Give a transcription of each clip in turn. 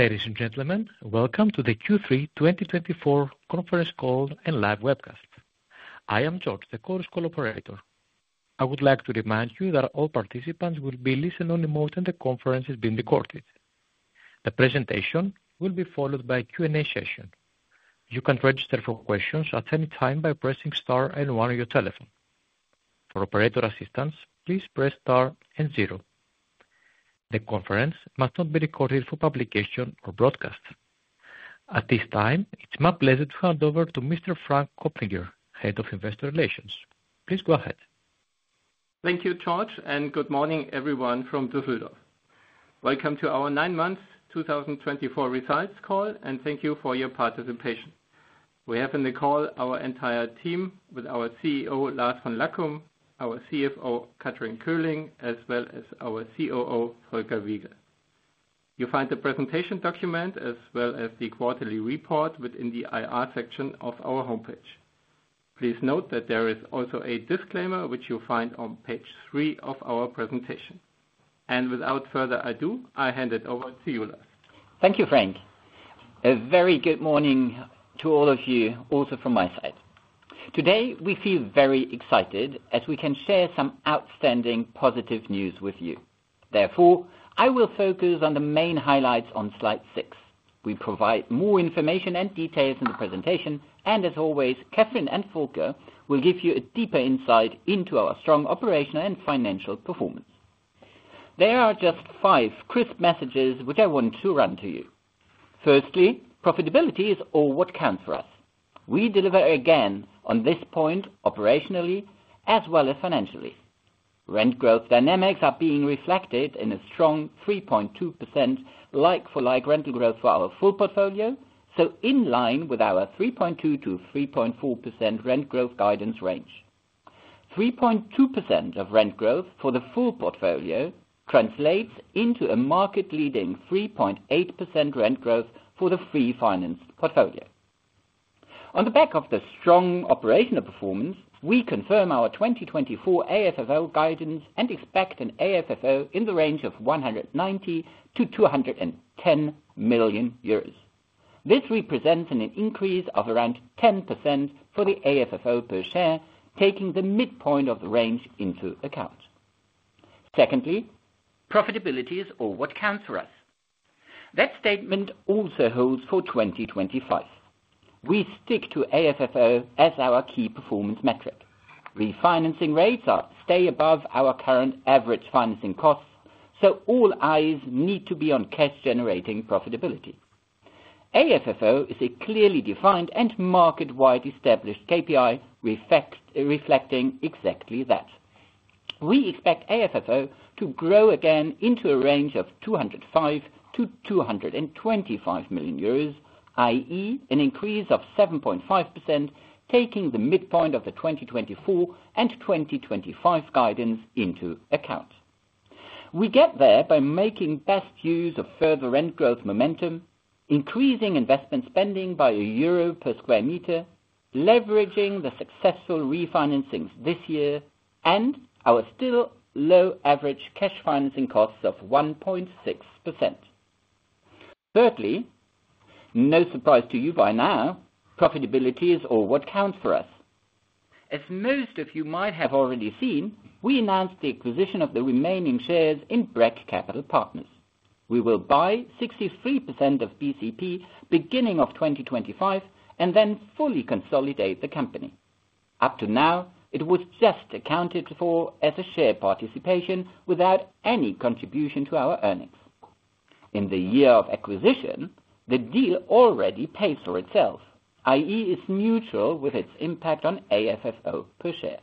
Ladies and gentlemen, welcome to the Q3 2024 conference call and live webcast. I am George, the Chorus Call operator. I would like to remind you that all participants will be listening in listen-only mode and the conference is being recorded. The presentation will be followed by Q&A session. You can register for questions at any time by pressing STAR and one on your telephone. For operator assistance, please press star. The conference may not be recorded for publication or broadcast at this time. It's my pleasure to hand over to Mr. Frank Kopfinger, head of Investor Relations. Please go ahead. Thank you, George. Good morning everyone from Düsseldorf. Welcome to our nine months 2024 results call and thank you for your participation. We have in the call our entire team with our CEO Lars von Lackum. Our CFO Kathrin Köhling, as well as. Our COO Volker Wiegel. You find the presentation document as well. As the quarterly report within the IR section of our homepage. Please note that there is also a disclaimer which you find on page three of our presentation and without further ado, I hand it over to you, Lars. Thank you, Frank. A very good morning to all of you. Also from my side today we feel very excited as we can share some outstanding positive news with you. Therefore, I will focus on the main highlights on slide 6. We provide more information and details in the presentation and as always, Kathrin and Volker will give you a deeper insight into our strong operational and financial performance. There are just five crisp messages which I want to run to you. Firstly, profitability is all what counts for us. We deliver again on this point operationally as well as financially. Rent growth dynamics are being reflected in a strong 3.2% like-for-like rental growth for our full portfolio. In line with our 3.2-3.4% rent growth guidance range, 3.2% rent growth for the full portfolio translates into a market-leading 3.8% rent growth for the free finance portfolio. On the back of the strong operational performance, we confirm our 2024 AFFO guidance and expect an AFFO in the range of 190-210 million euros. This represents an increase of around 10% for the AFFO per share, taking the midpoint of the range into account. Secondly, profitability is all what counts for us. That statement also holds for 2025. We stick to AFFO as our key performance metric. Refinancing rates stay above our current average financing costs, so all eyes need to be on cash generating profitability. AFFO is a clearly defined and market-wide established KPI. Reflecting exactly that, we expect AFFO to grow again into a range of 205-225 million euros. That is an increase of 7.5%. Taking the midpoint of the 2024 and 2025 guidance into account, we get there by making best use of further rent growth momentum, increasing investment spending by EUR 1 per sq m, leveraging the successful refinancings this year and our still low average cash financing costs of 1.6%. Thirdly, no surprise to you, by now, profitability is all what counts for us. As most of you might have already seen, we announced the acquisition of the remaining shares in Brack Capital Properties. We will buy 63% of BCP beginning of 2025 and then fully consolidate the company. Up to now it was just accounted for as a share participation without any contribution to our earnings in the year of acquisition. The deal already pays for itself. That is neutral with its impact on AFFO per share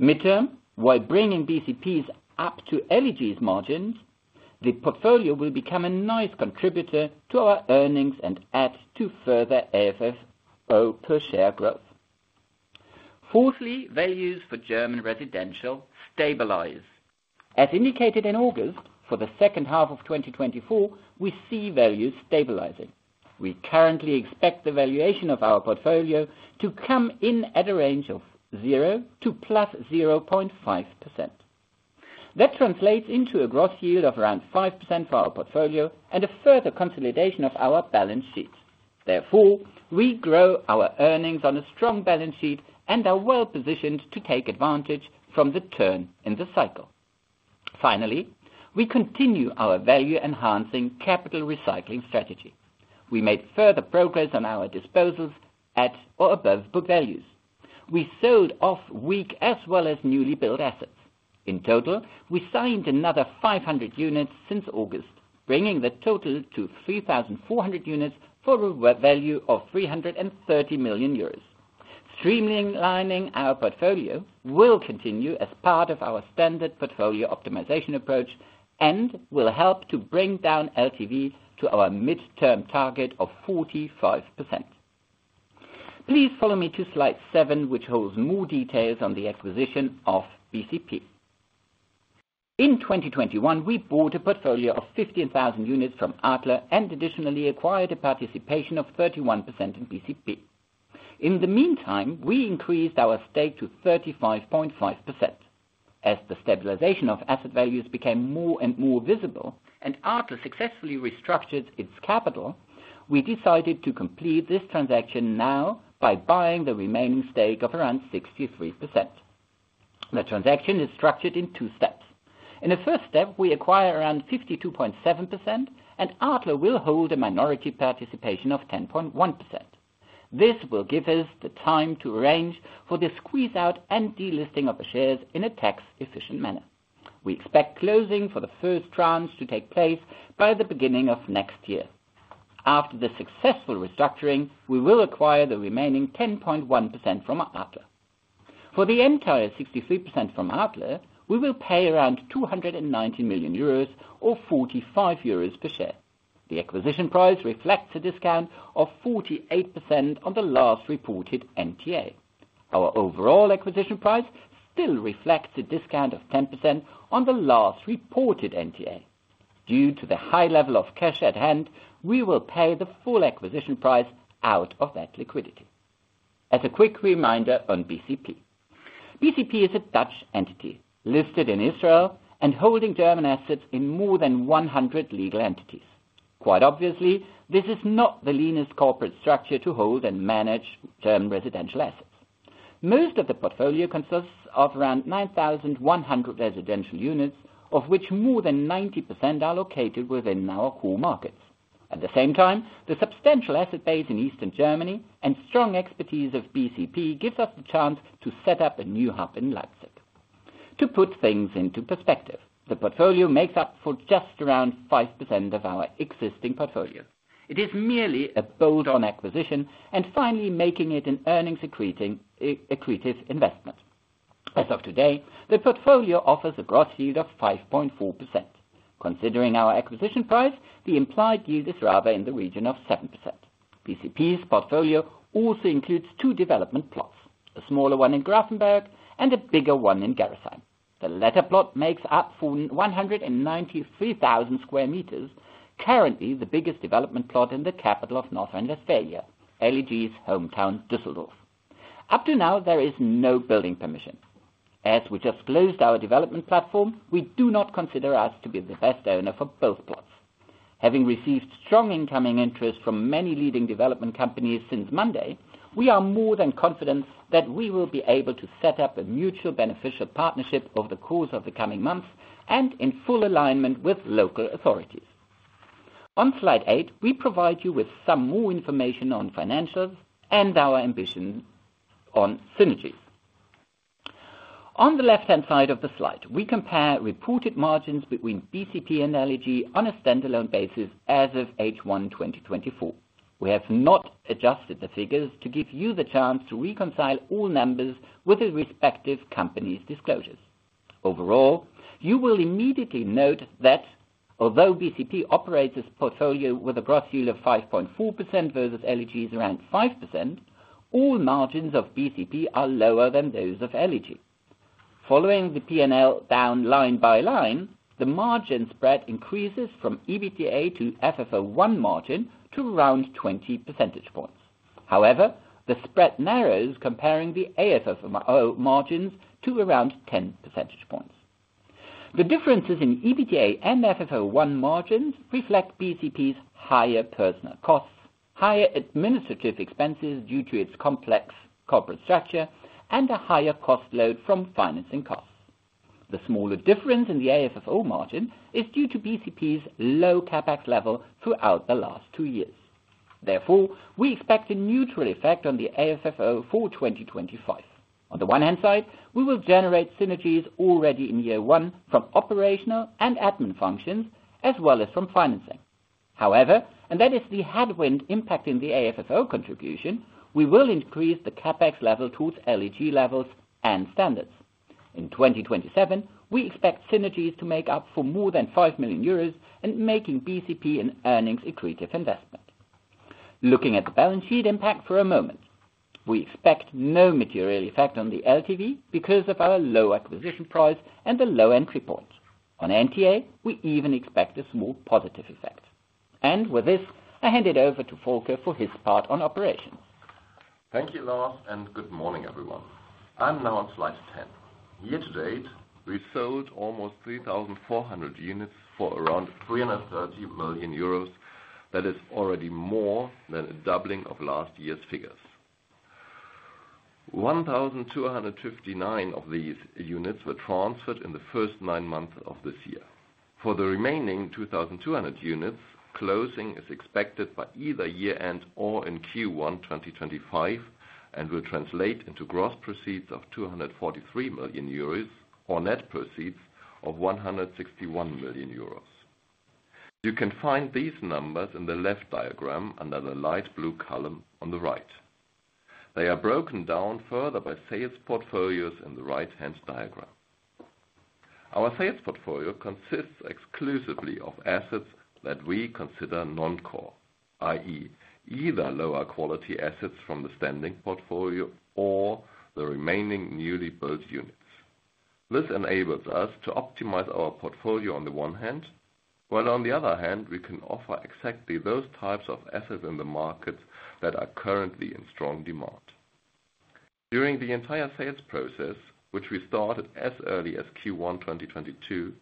mid term. While bringing BCPs up to LEG's margins, the portfolio will become a nice contributor to our earnings and add to further AFFO per share growth. Fourthly, values for German residential stabilize as indicated in August. For the second half of 2024, we see values stabilizing. We currently expect the valuation of our portfolio to come in at a range of 0% to +0.5%. That translates into a gross yield of around 5% for our portfolio and a further consolidation of our balance sheets. Therefore, we grow our earnings on a strong balance sheet and are well positioned to take advantage from the turn in the cycle. Finally, we continue our value enhancing capital recycling strategy. We made further progress on our disposals at or above book values. We sold off weak as well as newly built assets. In total, we signed another 500 units since August, bringing the total to 3,400 units for value of 330 million euros. Streamlining our portfolio will continue as part of our standard portfolio optimization approach and will help to bring down LTV to our mid-term target of 45%. Please follow me to Slide 7 which holds more details on the acquisition of. In 2021 we bought a portfolio of 15,000 units from Adler and additionally acquired a participation of 31% in BCP. In the meantime, we increased our stake to 35.5% as the stabilization of asset values became more and more visible and Adler successfully restructured its capital. We decided to complete this transaction now by buying the remaining stake of around 63%. The transaction is structured in two steps. In the first step we acquire around 52.7% and Adler will hold a minority participation of 10.1%. This will give us the time to arrange for the squeeze-out and delisting of the shares in a tax efficient manner. We expect closing for the first tranche to take place by the beginning of next year. After the successful restructuring, we will acquire the remaining 10.1% from Adler. For the entire 63% from Adler we will pay around 290 million euros or 45 euros per share. The acquisition price reflects a discount of 48% on the last reported NTA. Our overall acquisition price still reflects a discount of 10% on the last reported NTA. Due to the high level of cash at hand. We will pay the full acquisition price out of that liquidity. As a quick reminder on BCP, BCP is a Dutch entity listed in Israel and holding German assets in more than 100 legal entities. Quite obviously this is not the leanest corporate structure to hold and manage German residential assets. Most of the portfolio consists of around 9,100 residential units of which more than 90% are located within our core markets. At the same time, the substantial asset base in Eastern Germany and strong expertise of BCP gives us the chance to set up a new hub in Leipzig. To put things into perspective, the portfolio makes up for just around 5% of our existing portfolio. It is merely a bolt on acquisition and finally making it an earnings accretive investment. As of today the portfolio offers a gross yield of 5.4%. Considering our acquisition price, the implied yield is rather in the region of 7%. BCP's portfolio also includes two development plots, a smaller one in Grafenberg and a bigger one in Gerresheim. The latter plot makes up for 193,000 square meters, currently the biggest development plot in the capital of North Rhine-Westphalia, our hometown Düsseldorf. Up to now there is no building permission as we just closed our development platform. We do not consider us to be the best owner for both plots. Having received strong incoming interest from many leading development companies since Monday, we are more than confident that we will be able to set up a mutual beneficial partnership over the course of the coming months and in full alignment with local authorities. On slide 8 we provide you with some more information on financials and our ambition on synergies. On the left hand side of the slide, we compare reported margins between BCP and LEG on a standalone basis. As of H1 2024, we have not adjusted the figures to give you the chance to reconcile all numbers with the respective company's disclosures. Overall, you will immediately note that, although BCP operates its portfolio with a gross yield of 5.4% versus LEG's around 5%, all margins of BCP are lower than those of LEG. Following the P&L down line by line, the margin spread increases from EBITDA to FFO1 margin to around 20 percentage points. However, the spread narrows comparing the AFFO margins to around 10 percentage points. The differences in EBITDA and FFO1 margins reflect BCP's higher personnel costs, higher administrative expenses due to its complex corporate structure and a higher cost load from financing costs. The smaller difference in the AFFO margin is due to BCP's low CapEx level throughout the last two years. Therefore, we expect a neutral effect on the AFFO for 2025. On the one hand side, we will generate synergies already in year one from operational and admin functions as well as from financing. However, and that is the headwind impacting the AFFO contribution, we will increase the CapEx level towards LEG levels and standards. In 2027 we expect synergies to make up for more than 5 million euros and making BCP and earnings accretive investment. Looking at the balance sheet impact for a moment, we expect no material effect on the LTV because of our low acquisition price and the low entry point on NTA. We even expect a small positive effect and with this I hand it over to Volker for his part on operations. Thank you, Lars, and good morning everyone. I'm now on slide 10. Year to date we sold almost 3,400 units for around 330 million euros. That is already more than a doubling of last year's figures. 1,259 of these units were transferred in the first nine months of this year. For the remaining 2,200 units, closing is expected by either year-end or in Q1 2025 and will translate into gross proceeds of 243 million euros or net proceeds of 161 million euros. You can find these numbers in the left diagram under the light blue column on the right. They are broken down further by sales portfolios in the right-hand diagram. Our sales portfolio consists exclusively of assets that we consider non-core, that is either lower quality assets from the standing portfolio or the remaining newly built units. This enables us to optimize our portfolio on the one hand, while on the other hand we can offer exactly those types of assets in the market that are currently in strong demand. During the entire sales process, which we started as early as Q1 2022,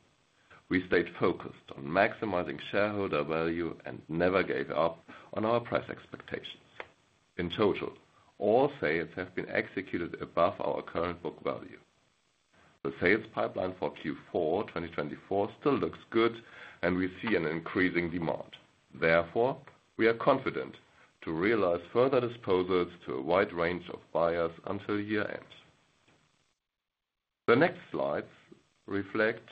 we stayed focused on maximizing shareholder value and never gave up on our price expectations. In total, all sales have been executed above our current book value. The sales pipeline for Q4 2024 still looks good and we see an increasing demand. Therefore, we are confident to realize further disposals to a wide range of buyers until year end. The next slides reflect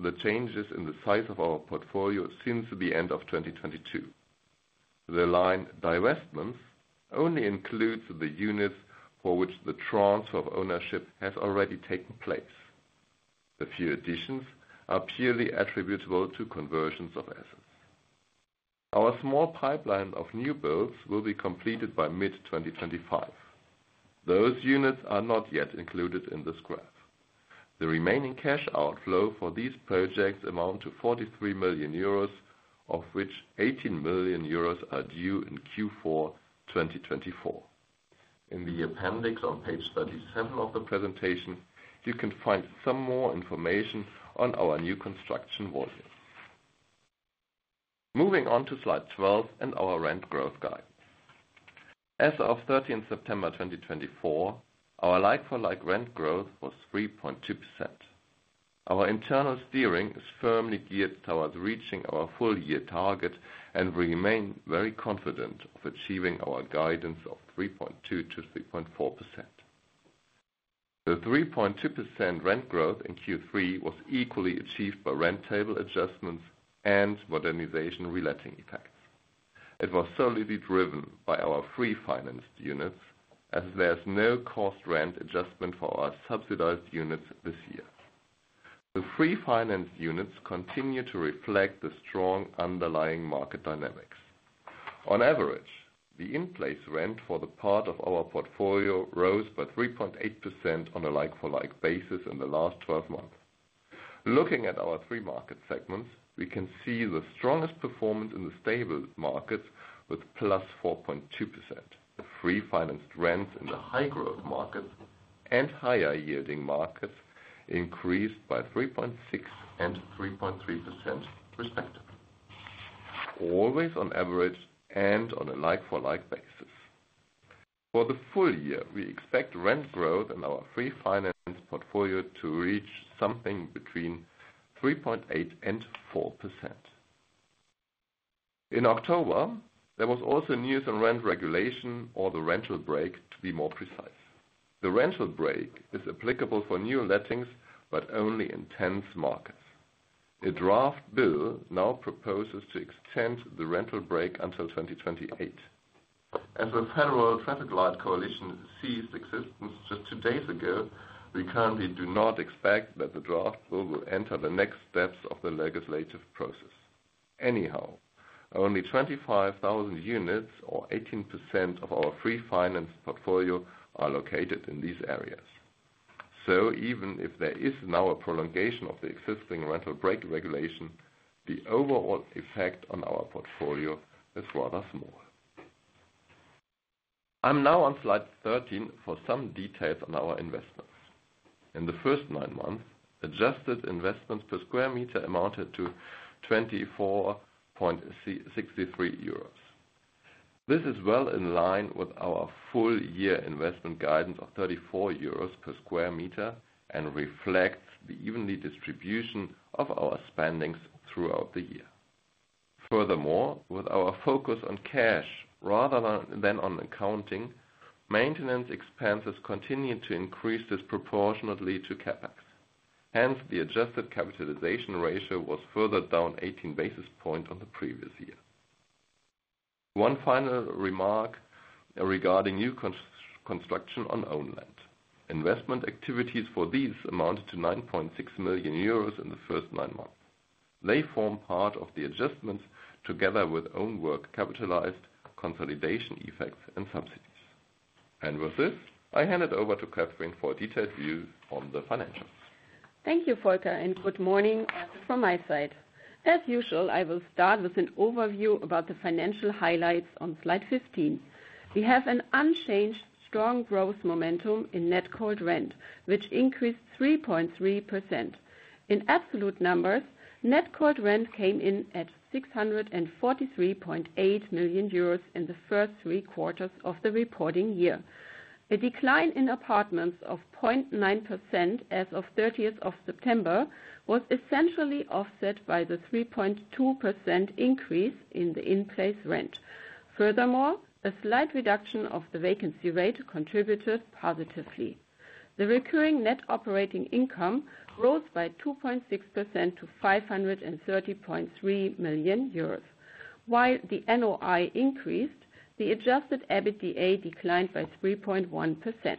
the changes in the size of our portfolio since the end of 2022. The line divestments only includes the units for which the transfer of ownership has already taken place. The few additions are purely attributable to conversions of assets. Our small pipeline of new builds will be completed by mid-2025. Those units are not yet included in this graph. The remaining cash outflow for these projects amount to 43 million euros, of which 18 million euros are due in Q4 2024. In the appendix on page 37 of the presentation, you can find some more information on our new construction volume. Moving to slide 12 and our rent growth guide. As of 13th September 2024, our like for like rent growth was 3.2%. Our internal steering is firmly geared towards reaching our full year target and we remain very confident of achieving our guidance of 3.2%-3.4%. The 3.2% rent growth in Q3 was equally achieved by rent table adjustments and modernization reletting effects. It was solely driven by our free financed units as there is no cost rent adjustment for our subsidized units this year. The free-finance units continue to reflect the strong underlying market dynamics. On average, the in-place rent for the part of our portfolio rose by 3.8% on a like-for-like basis in the last 12 months. Looking at our three market segments, we can see the strongest performance in the stable markets with +4.2% the free-finance stock. Rents in the high growth market and higher yielding markets increased by 3.6% and 3.3% respectively, always on average and on a like-for-like basis. For the full year, we expect rent growth in our free-finance portfolio to reach something between 3.8% and 4% in October. There was also news on rent regulation or the rental brake. To be more precise, the rental brake is applicable for new lettings, but only in tense markets. A draft bill now proposes to extend the rental brake until 2028 as the Federal Traffic Light Coalition ceased to exist just two days ago. We currently do not expect that the draft bill will enter the next phase of the legislative process. Anyhow, only 25,000 units or 18% of our free market portfolio are located in these areas. So even if there is now a prolongation of the existing rental brake regulation, the overall effect on our portfolio is rather small. I am now on slide 13 for some details on our investments. In the first nine months, adjusted investments per square meter amounted to 24.63 euros. This is well in line with our full year investment guidance of 34 euros per square meter and reflects the even distribution of our spending throughout the year. Furthermore, with our focus on cash rather than on accounting, maintenance expenses continued to increase disproportionately to CapEx. Hence, the adjusted capitalization ratio was further down 18 basis points on the previous year. One final remark regarding new construction on own land investment activities. For these amounted to 9.6 million euros in the first nine months. They form part of the adjustments together with own work, capitalized consolidation effects and subsidies, and with this I hand it over to Kathrin for a detailed view on the financials. Thank you Volker and good morning from my side. As usual, I will start with an overview about the financial highlights. On slide 15 we have an unchanged strong growth momentum in net cold rent, which increased 3.3% in absolute numbers. Net cold rent came in at 643.8 million euros in the first three quarters of the reporting year. A decline in apartments of 0.9% as of 30th of September was essentially offset by the 3.2% increase in the in place rent. Furthermore, a slight reduction of the vacancy rate contributed positively. The recurring net operating income rose by 2.6% to 530.3 million euros. While the NOI increased, the adjusted EBITDA declined by 3.1%.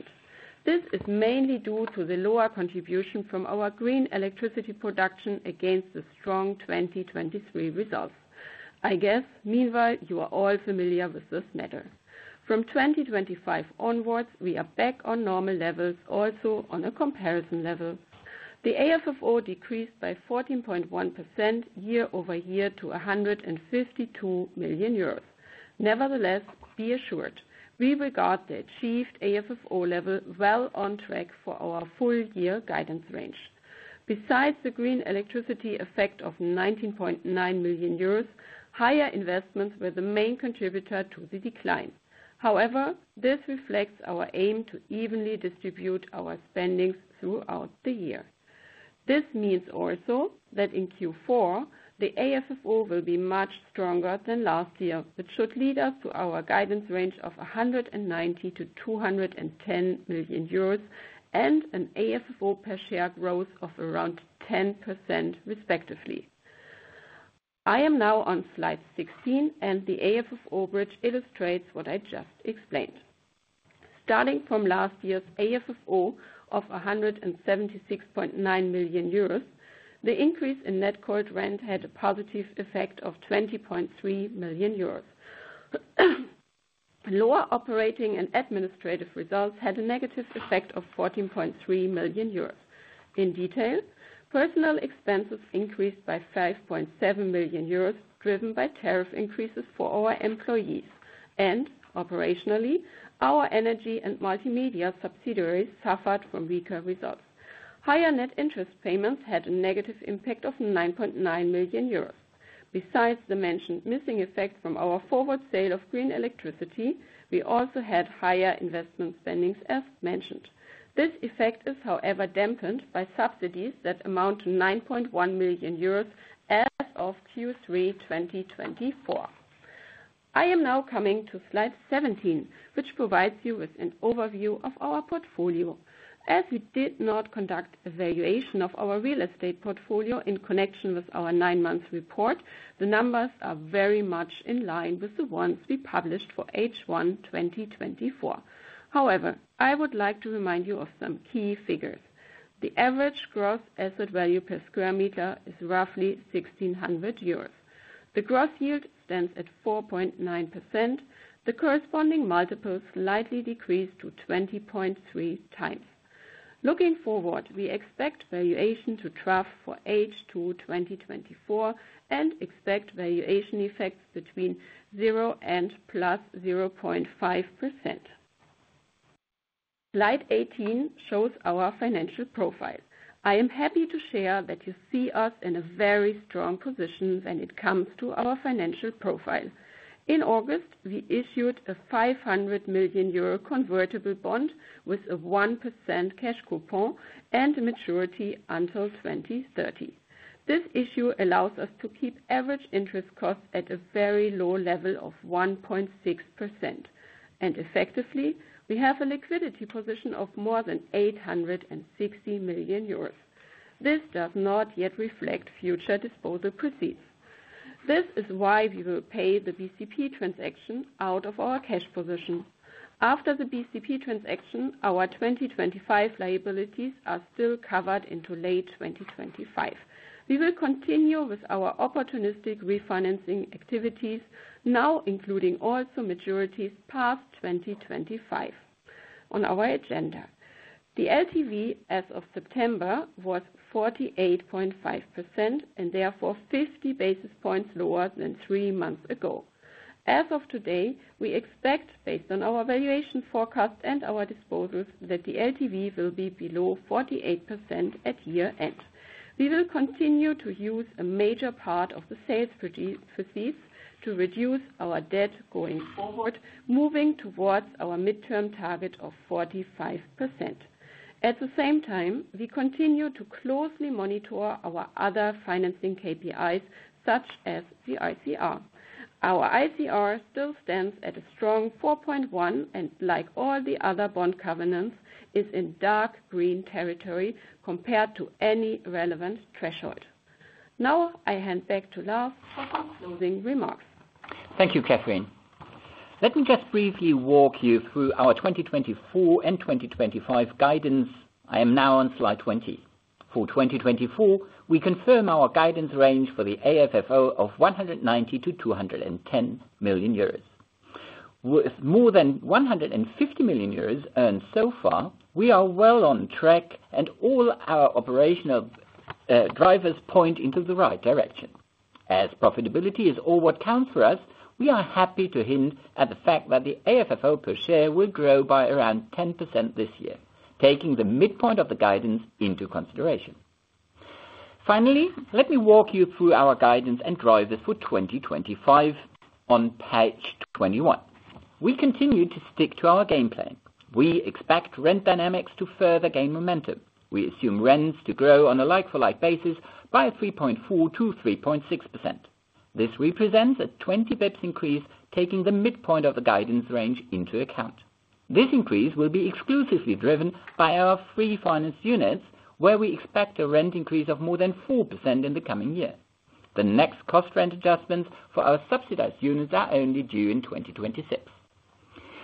This is mainly due to the lower contribution from our green electricity production against the strong 2023 results. I guess meanwhile you are all familiar with this matter. From 2025 onwards we are back on normal levels. Also on a comparison level, the AFFO decreased by 14.1% year over year to 152 million euros. Nevertheless, be assured we regard the achieved AFFO level well on track for our full year guidance range. Besides the green electricity effect of 19.9 million euros, higher investments were the main contributor to the decline. However, this reflects our aim to evenly distribute our spending throughout the year. This means also that in Q4 the AFFO will be much stronger than last year, which should lead us to our guidance range of 190-210 million euros and an AFFO per share growth of around 10% respectively. I am now on slide 16 and the AFFO bridge illustrates what I just explained. Starting from last year's AFFO of 176.9 million euros. The increase in net cold rent had a positive effect of 20.3 million euros. Lower operating and administrative results had a negative effect of 14.3 million euros. In detail, personal expenses increased by 5.7 million euros driven by tariff increases for our employees and operationally, our energy and multimedia subsidiaries suffered from weaker results. Higher net interest payments had a negative impact of 9.9 million euros. Besides the mentioned missing effect from our forward sale of green electricity, we also had higher investment spending as mentioned. This effect is however dampened by subsidies that amount to 9.1 million euros as of Q3 2024. I am now coming to slide 17 which provides you with an overview of our portfolio. As we did not conduct valuation of our real estate portfolio in connection with our nine-month report, the numbers are very much in line with the ones we published for H1 2024. However, I would like to remind you of some key figures. The average gross asset value per square meter is roughly 0. The gross yield stands at 4.9%. The corresponding multiple slightly decreased to 20.3 times. Looking forward, we expect valuation to trough for H2 2024 and expect valuation effects between 0 and 0.5%. Slide 18 shows our financial profile. I am happy to share that you see us in a very strong position when it comes to financial profile. In August we issued 500 million euro convertible bond with a 1% cash coupon and maturity until 2030. This issue allows us to keep average interest costs at a very low level of 1.6% and effectively we have a liquidity position of more than 860 million euros. This does not yet reflect future disposal proceeds. This is why we will pay the BCP transaction out of our cash position. After the BCP transaction our 2025 liabilities are still covered into late 2025. We will continue with our opportunistic refinancing activities now including also maturities past 2025 on our agenda. The LTV as of September was 48.5% and therefore 50 basis points lower than three months ago. As of today we expect based on our valuation forecast and our disposals that the LTV will be below 48% at year end. We will continue to use a major part of the sales proceeds to reduce our debt going forward moving towards our mid term target of 45%. At the same time we continue to closely monitor our other financing KPIs such as the ICR. Our ICR still stands at a strong 4.1 and like all the other bond covenants is in dark green territory compared to any relevant threshold. Now I hand back to Lars for some closing remarks. Thank you, Kathrin. Let me just briefly walk you through our 2024 and 2025 guidance. I am now on Slide 20 for 2024. We confirm our guidance range for the AFFO of 190 million-210 million euros. With more than 150 million euros earned so far, we are well on track and all our operational drivers point into the right direction as profitability is all what counts for us. We are happy to hint at the fact that the AFFO per share will grow by around 10% this year, taking the midpoint of the guidance into consideration. Finally, let me walk you through our guidance and drivers for 2025 on page 21. We continue to stick to our game plan. We expect rent dynamics to further gain momentum. We assume rents to grow on a like for like basis by 3.4%-3.6%. This represents a 20 basis points increase, taking the midpoint of the guidance range into account. This increase will be exclusively driven by our free finance units, where we expect a rent increase of more than 4% in the coming year. The next cost rent adjustments for our subsidized units are only due in 2026.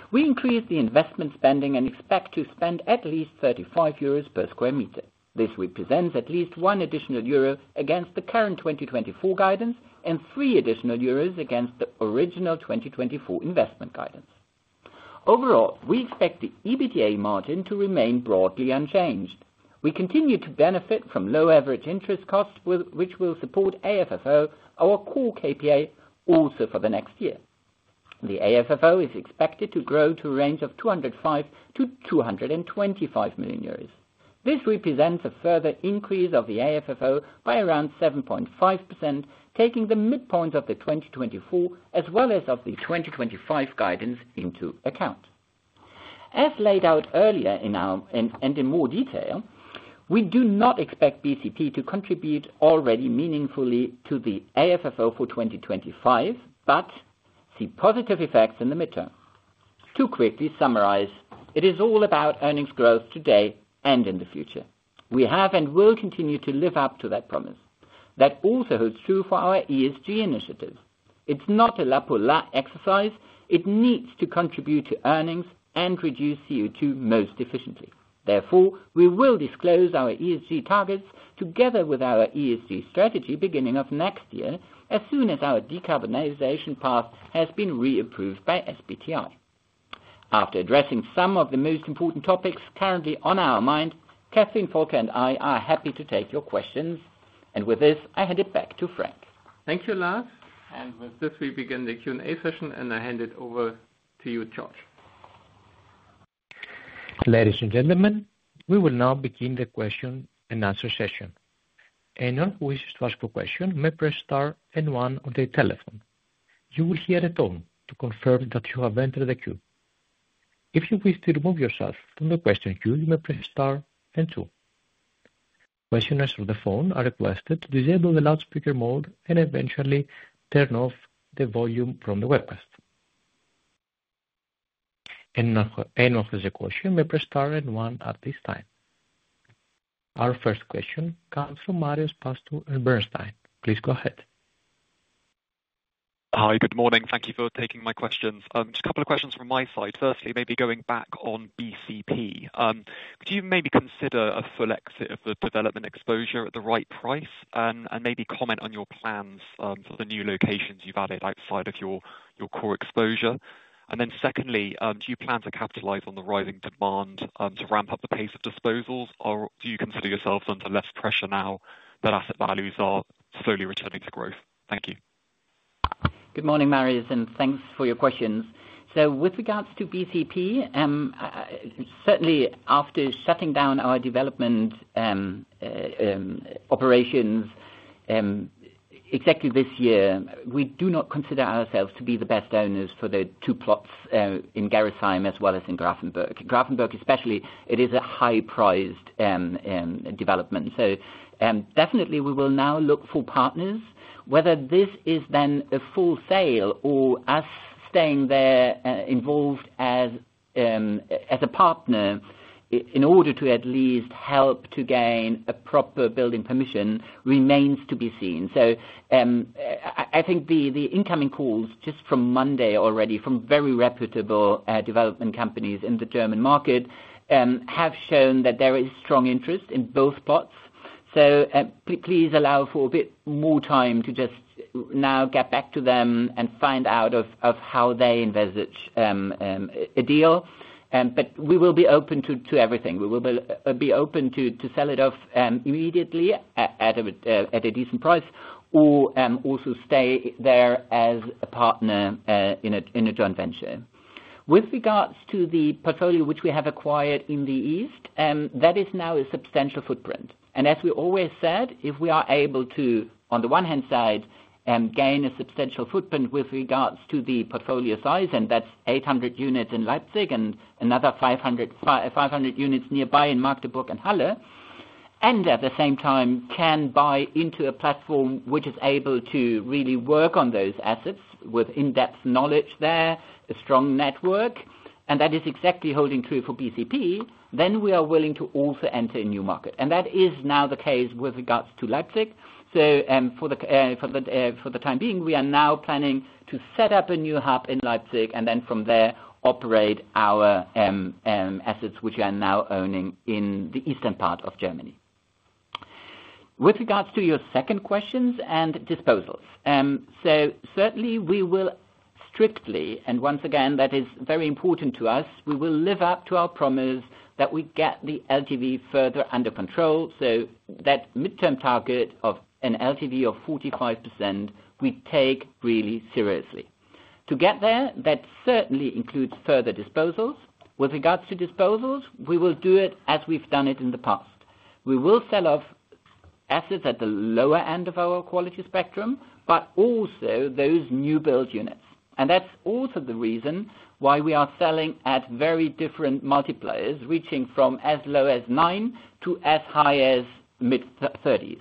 We increased the investment spending and expect to spend at least 35 euros per square meter. This represents at least 1 additional euro against the current 2024 guidance and 3 additional euros against the original 2024 investment guidance. Overall, we expect the EBITDA margin to remain broadly unchanged. We continue to benefit from low average interest costs which will support AFFO, our core KPI. Also, for the next year, the AFFO is expected to grow to a range of 205 million-225 million euros. This represents a further increase of the AFFO by around 7.5%, taking the midpoint of the 2024 as well as of the 2025 guidance into account. As laid out earlier and in more detail, we do not expect BCP to contribute already meaningfully to the AFFO for 2025, but see positive effects in the mid-term. To quickly summarize, it is all about earnings growth today and in the future. We have and will continue to live up to that promise. That also holds true for our ESG initiatives. It's not a lip service exercise. It needs to contribute to earnings and reduce CO2 most efficiently. Therefore, we will disclose our ESG targets together with our ESG strategy beginning of next year as soon as our decarbonization path has been re-approved by SBTi. After addressing some of the most important topics currently on our mind, Kathrin Köhling and I are happy to take your questions, and with this I hand it back to Frank. Thank you, Lars. With this we begin the Q and A session. I hand it over to you, George. Ladies and gentlemen, we will now begin the question and answer session. Anyone who wishes to ask a question may press star one on the telephone. You will hear a tone to confirm that you have entered the queue. If you wish to remove yourself from the question queue, you may press star two. Questioners on the phone are requested to disable the loudspeaker mode and eventually turn off the volume from the webcast. End of the question. You may press star and one. At this time, our first question comes from Marius Pastor and Bernstein. Please go ahead. Hi, good morning. Thank you for taking my questions. A couple of questions from my side. Firstly, maybe going back on BCP, could you maybe consider a full exit of the development exposure at the right price and maybe comment on your plans for the new locations you've added outside of your core exposure? And then secondly, do you plan to capitalize on the rising demand to ramp up the pace of disposals or do you consider yourselves less pressure now that asset values are slowly returning to growth? Thank you. Good morning, Marius, and thanks for your questions, so with regards to BCP, certainly after shutting down our development operations exactly this year, we do not consider ourselves to be the best owners for the two plots in Gerresheim as well as in Grafenberg, Grafenberg especially, it is a high-priced development, so definitely we will now look for partners. Whether this is then a full sale or us staying there, involved as a partner in order to at least help to gain a proper building permission remains to be seen, so I think the incoming calls just from Monday already from very reputable development companies in the German market have shown that there is strong interest in both plots, so please allow for a bit more time to just now get back to them and find out how they envisage a deal. But we will be open to everything. We will be open to sell it off immediately at a decent price or also stay there as a partner in a joint venture. With regards to the portfolio which we have acquired in the east, that is now a substantial footprint and as we always said, if we are able to on the one hand side gain a substantial footprint with regards to the portfolio size, and that's 800 units in Leipzig and another 500 units nearby in Magdeburg and Halle and at the same time can buy into a platform which is able to really work on those assets with in-depth knowledge there, a strong network, and that is exactly holding true for BCP. Then we are willing to also enter a new market, and that is now the case with regards to Leipzig. So for the time being we are now planning to set up a new hub in Leipzig and then from there operate our assets which are now owning in the eastern part of Germany. With regards to your second questions and disposals. So certainly we will strictly. And once again that is very important to us, we will live up to our promise that we get the LTV further under control. So that midterm target of an LTV of 45% we take really seriously to get there. That certainly includes further disposals. With regards to disposals, we will do it as we've done it in the past. We will sell off assets at the lower end of our quality spectrum, but also those new build units. That's also the reason why we are selling at very different multipliers reaching from as low as nine to as high as mid-30s.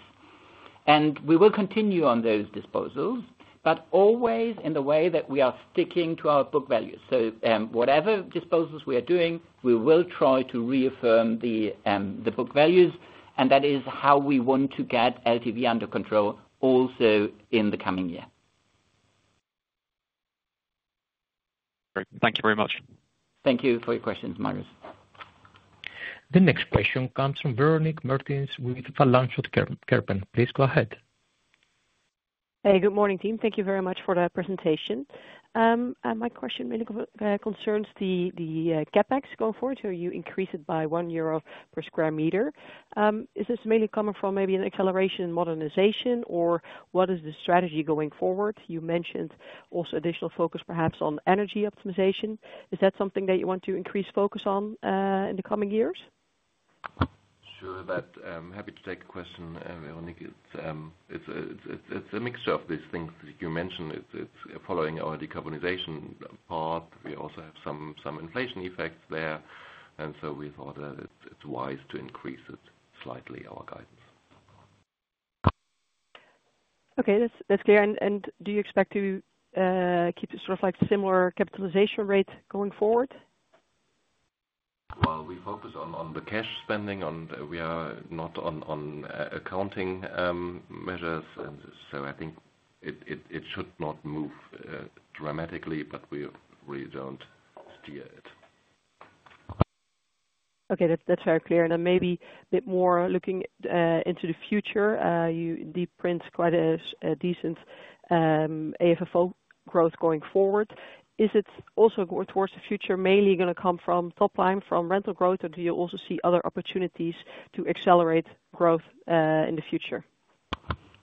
We will continue on those disposals, but always in the way that we are sticking to our book values. So whatever disposals we are doing, we will try to reaffirm the book values, and that is how we want to get LTV under control also in the coming year. Thank you very much. Thank you for your questions, Magus. The next question comes from Véronique Mertens with Van Lanschot Kempen. Please go ahead. Hey, good morning team. Thank you very much for the presentation. My question really concerns the CapEx going forward. So you increase it by 1 euro per square meter. Is this mainly coming from maybe an acceleration modernization or what is the strategy going forward? You mentioned also additional focus perhaps on energy optimization. Is that something that you want to increase focus on in the coming years? Sure, I'm happy to take a question. It's a mixture of these things you mentioned. It's following our decarbonization path. We also have some inflation effects there and so we thought that it's wise to increase it slightly. Our guidance. Okay, that's clear. And do you expect to keep sort. Of like similar capitalization rate going forward? We focus on the cash spending and we are not on accounting measures. I think it should not move dramatically. But we don't steer it. Okay, that's very clear. And then maybe a bit more looking. Into the future, you indeed print quite a decent AFFO growth going forward. Is it also towards the future? Mainly going to come from top line from rental growth? Or do you also see other opportunities? To accelerate growth in the future?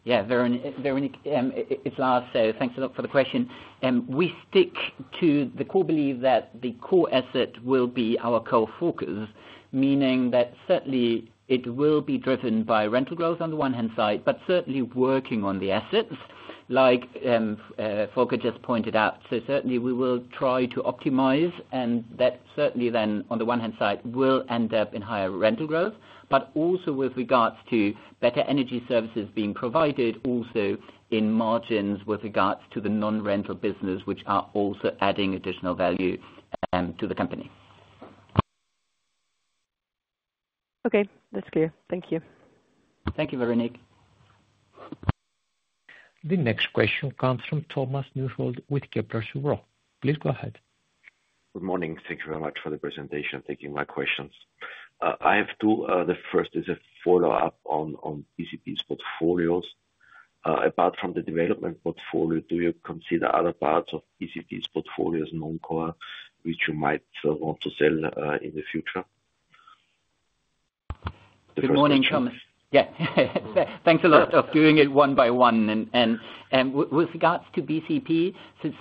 Yes, Véronique, it's Lars. So thanks a lot for the question. We stick to the core belief that the core will be our core focus, meaning that certainly it will be driven by rental growth on the one hand side, but certainly working on the assets like Volker just pointed out. So certainly we will try to optimize and that certainly then on the one hand side will end up in higher rental growth but also with regards to better energy services being provided, also in margins with regards to the non rental business which are also adding additional value to the company. Okay, that's clear. Thank you. Thank you. Véronique. The next question comes from Thomas Neuhold with Kepler Cheuvreux. Please go ahead. Good morning. Thank you very much for the presentation. Taking my questions, I have two. The first is a follow up on BCP's portfolios. Apart from the development portfolio, do you consider other parts of BCP's portfolios non core which you might want to sell in the future? Good morning, Thomas. Yeah, thanks a lot for doing it one by one. With regards to BCP,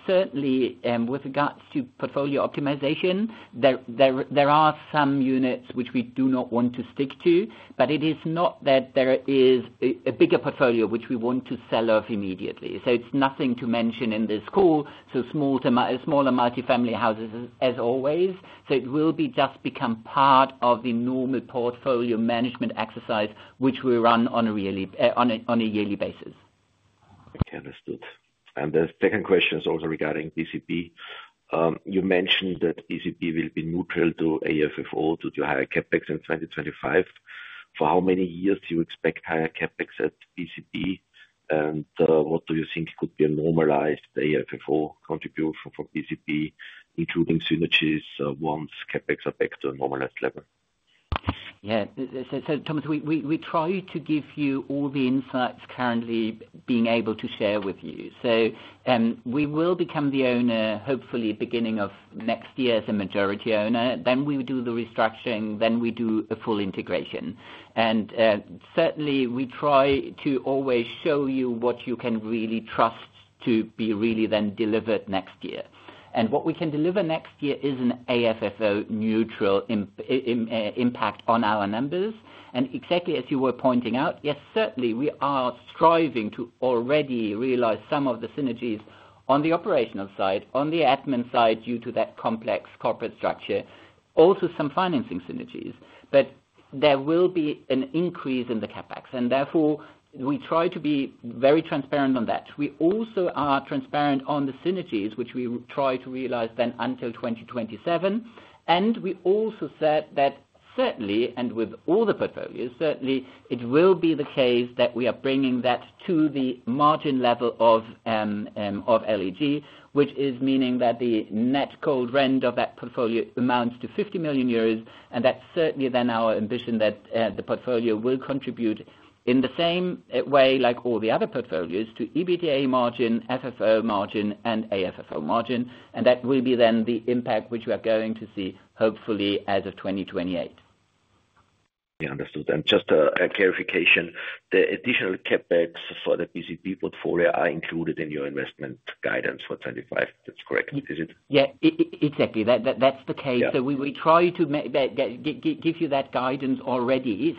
certainly with regards to portfolio optimization, there are some units which we do not want to stick to, but it is not that there is a bigger portfolio which we want to sell off immediately. It's nothing to mention in this call. Small and multifamily houses as always. It will just become part of the normal portfolio management exercise which we run on a yearly basis. Okay, understood. And the second question is also regarding BCP. You mentioned that BCP will be neutral to AFFO due to higher CapEx in 2025. For how many years do you expect higher CapEx at BCP? And what do you think could be a normalized AFFO contribution for BCP including synergies once CapEx are back to a normalized level? Yes, Thomas, we try to give you all the insights currently being able to share with you. So we will become the owner hopefully beginning of next year as a majority owner. Then we do the restructuring, then we do a full integration and certainly we try to always show you what you can really trust to be really then delivered next year. And what we can deliver next year is an AFFO neutral impact on our numbers. And exactly as you were pointing out. Yes, certainly we are striving to already realize some of the synergies on the operational side, on the admin side due to that complex corporate structure, also some financing synergies. But there will be an increase in the CapEx and therefore we try to be very transparent on that. We also are transparent on the synergies which we try to realize then until 2027. We also said that certainly and with all the portfolios, certainly it will be the case that we are bringing that to the margin level of LEG, which means that the net cold rent of that portfolio amounts to 50 million euros. That certainly then our ambition that the portfolio will contribute in the same way like all the other portfolios to EBITDA margin, FFO margin and AFFO margin. That will be then the impact which we are going to see hopefully as of 2028. Understood. And just a clarification, the additional CapEx for the BCP portfolio are included in your investment guidance for 2025. That's correct. Is it? Yeah, exactly, that's the case. So we try to give you that guidance already.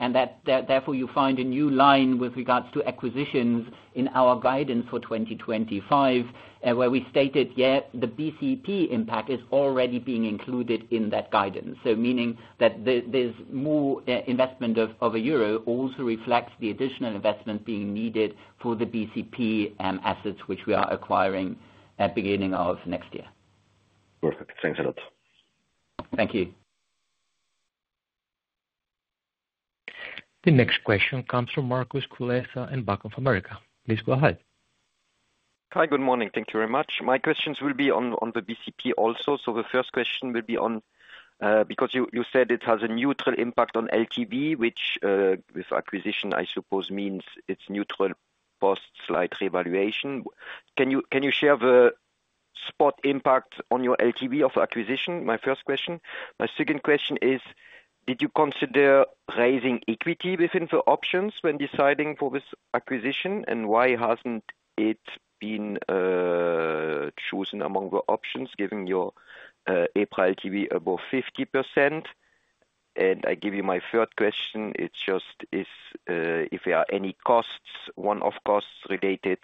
And that therefore you find a new line with regards to acquisitions in our guidance for 2025 where we stated yet the BCP impact is already being included in that guidance, so meaning that there's more investment of EUR also reflects the additional investment being needed for the BCP assets which we are acquiring at beginning of next year. Perfect. Thanks a lot. Thank you. The next question comes from Markus Kulessa and Bank of America. Please go ahead. Hi, good morning. Thank you very much. My questions will be on the BCP also. So the first question will be on because you said it has a neutral impact on LTV which with acquisition I suppose means it's neutral post slight revaluation. Can you share the spot impact on your LTV of acquisition? My first question, my second question is did you consider raising equity within the options when deciding for this acquisition? And why hasn't it been chosen among the options given your LTV above 50%? And I give you my third question, it just is if there are any one-off costs related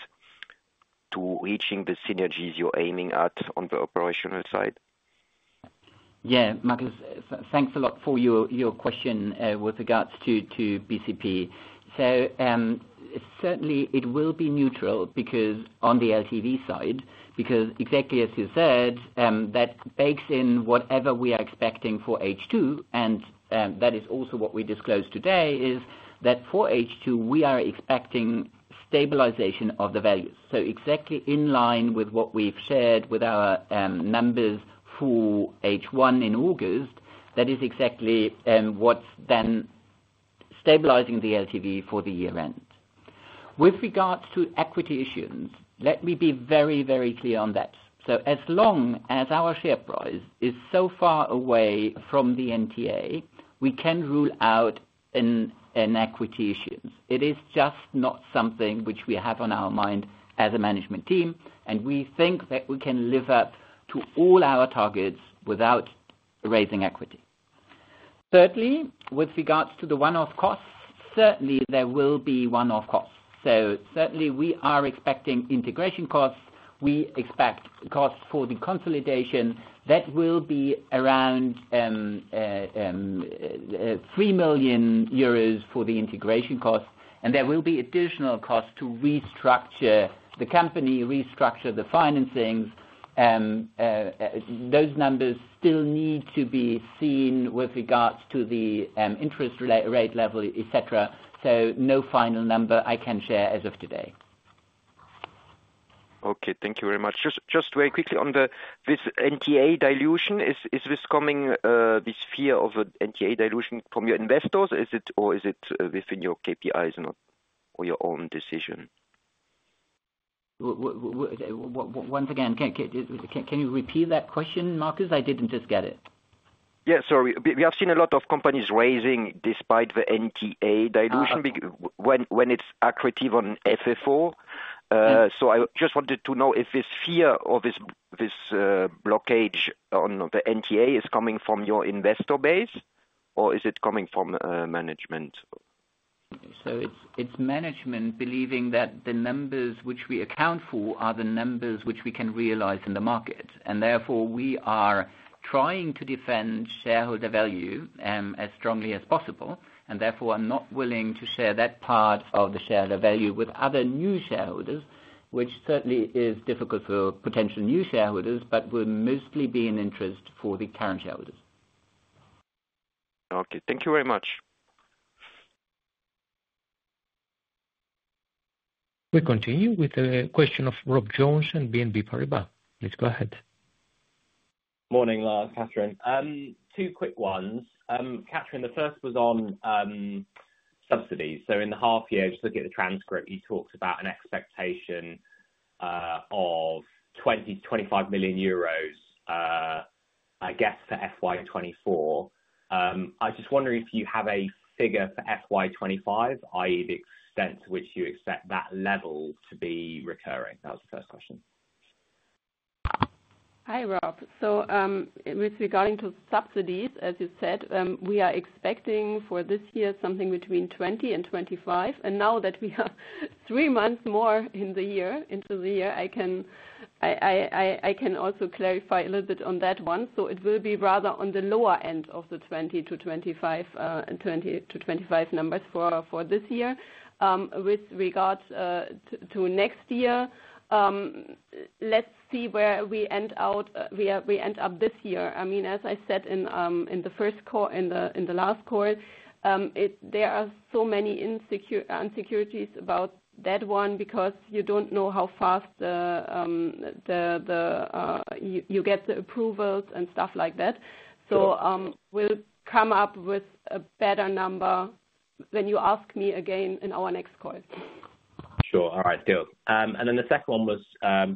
to reaching the synergies you're aiming at on the operational side. Yes, thanks a lot for your question. With regards to BCP, certainly it will be neutral because on the LTV side because exactly as you said, that bakes in whatever we are expecting for H2 and that is also what we disclosed today, is that for H2 we are expecting stabilization of the value. So exactly in line with what we've shared with our numbers for H1 in August, that is exactly what's then stabilizing the LTV for the year end with regards to equity issuance. Let me be very, very clear on that so as long as our share price is so far away from the NTA, we can rule out an equity issue. It is just not something which we have on our mind as a management team. And we think that we can live up to all our targets without raising equity. Thirdly, with regards to the one-off costs, certainly there will be one-off cost. So certainly we are expecting integration costs. We expect costs for the consolidation that will be around 3 million euros for the integration cost. And there will be additional cost to restructure the company, restructure the financings. Those numbers still need to be seen with regards to the interest rate level, et cetera. So no final number I can share as of today. Okay, thank you very much. Just very quickly on this NTA dilution. Is this coming, this fear of NTA dilution from your investors or is it within your KPIs or your own decision? Once again, can you repeat that question, Markus? I didn't just get it. Yeah. So we have seen a lot of companies raising despite the NTA dilution when it's accretive on FFO. So I just wanted to know if this fear of this blockage on the NTA is coming from your investor base or is it coming from management? So it's management believing that the numbers which we account for are the numbers which we can realize in the market and therefore we are trying to defend shareholder value as strongly as possible and therefore are not willing to share that part of the shareholder value with other new shareholders, which certainly is difficult for potential new shareholders, but will mostly be an interest for the current shareholders. Okay, thank you very much. We continue with the question of Rob Jones and BNP Paribas. Let's go ahead. Morning, Lars. Kathrin. Two quick ones, Kathrin. The first was on subsidies. So in the half year, just looking at the transcript, you talked about an expectation of 20-25 million euros, I guess, for FY24. I just wonder if you have a figure for FY25. That is the extent to which you accept that level to be recurring. That was the first question. Hi, Rob. So with regard to subsidies, as you said, we are expecting for this year something between 20 and 25. And now that we have three months more into the year, I can also clarify a little bit on that one. So it will be rather on the lower end of the 20 to 25, 20-25 numbers for this year with regards to next year. Let's see where we end up this year. I mean, as I said in the first place the last call. There are so many uncertainties about that one because you don't know how fast you get the approvals and stuff like that. So we'll come up with a better number when you ask me again in our next call. Sure. All right, good. And then the second one was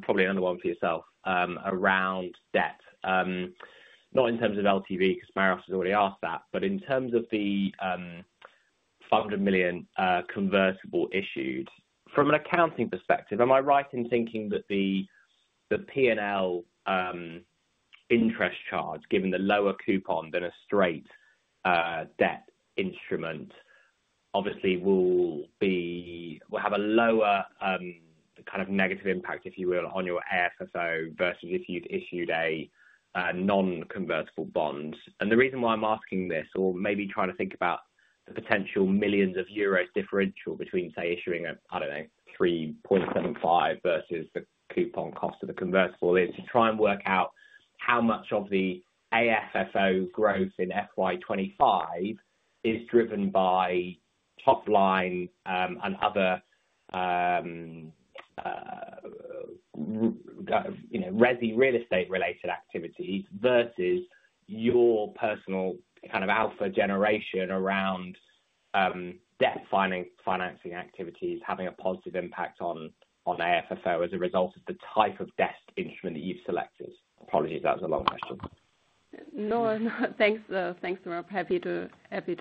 probably another one for yourself around debt, not in terms of LTV, because Marios has already asked that, but in terms of the 500 million convertible issued. From an accounting perspective, am I right in thinking that the P&L interest charge, given the lower coupon than a straight debt instrument obviously will be, will have a lower kind of negative impact, if you will, on your FFO versus if you'd issued a non convertible bond? And the reason why I'm asking this, or maybe trying to think about the potential millions of euros differential between say issuing a, I don't know, 3.75 versus the coupon cost of the convertible is to try and work out how much of the AFFO growth in FY25 is driven by top line and other. Resi real estate related activities versus your personal kind of alpha generation around debt financing activities having a positive impact on AFFO as a result of the type of debt instrument that you've selected. Apologies, that was a long question. No thanks, Rob. Happy to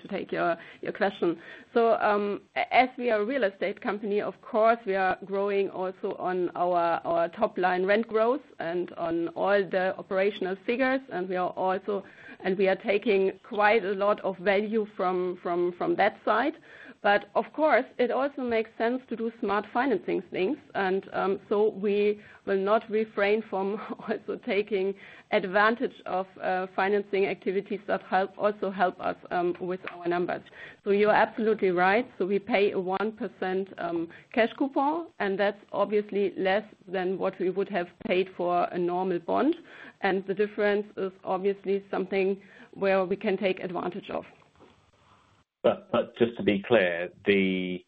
take your question. So as we are a real estate company, of course we are growing also on our top line rent growth and on all the operational figures. And we are also taking quite a lot of value from that side. But of course it also makes sense to do smart financing things and so we will not refrain from also taking advantage of financing activities that help us with our numbers. So you are absolutely right. So we pay 1% cash coupon and that's obviously less than what we would have paid for a normal bond. And the difference is obviously something where we can take advantage of. But just to be clear, the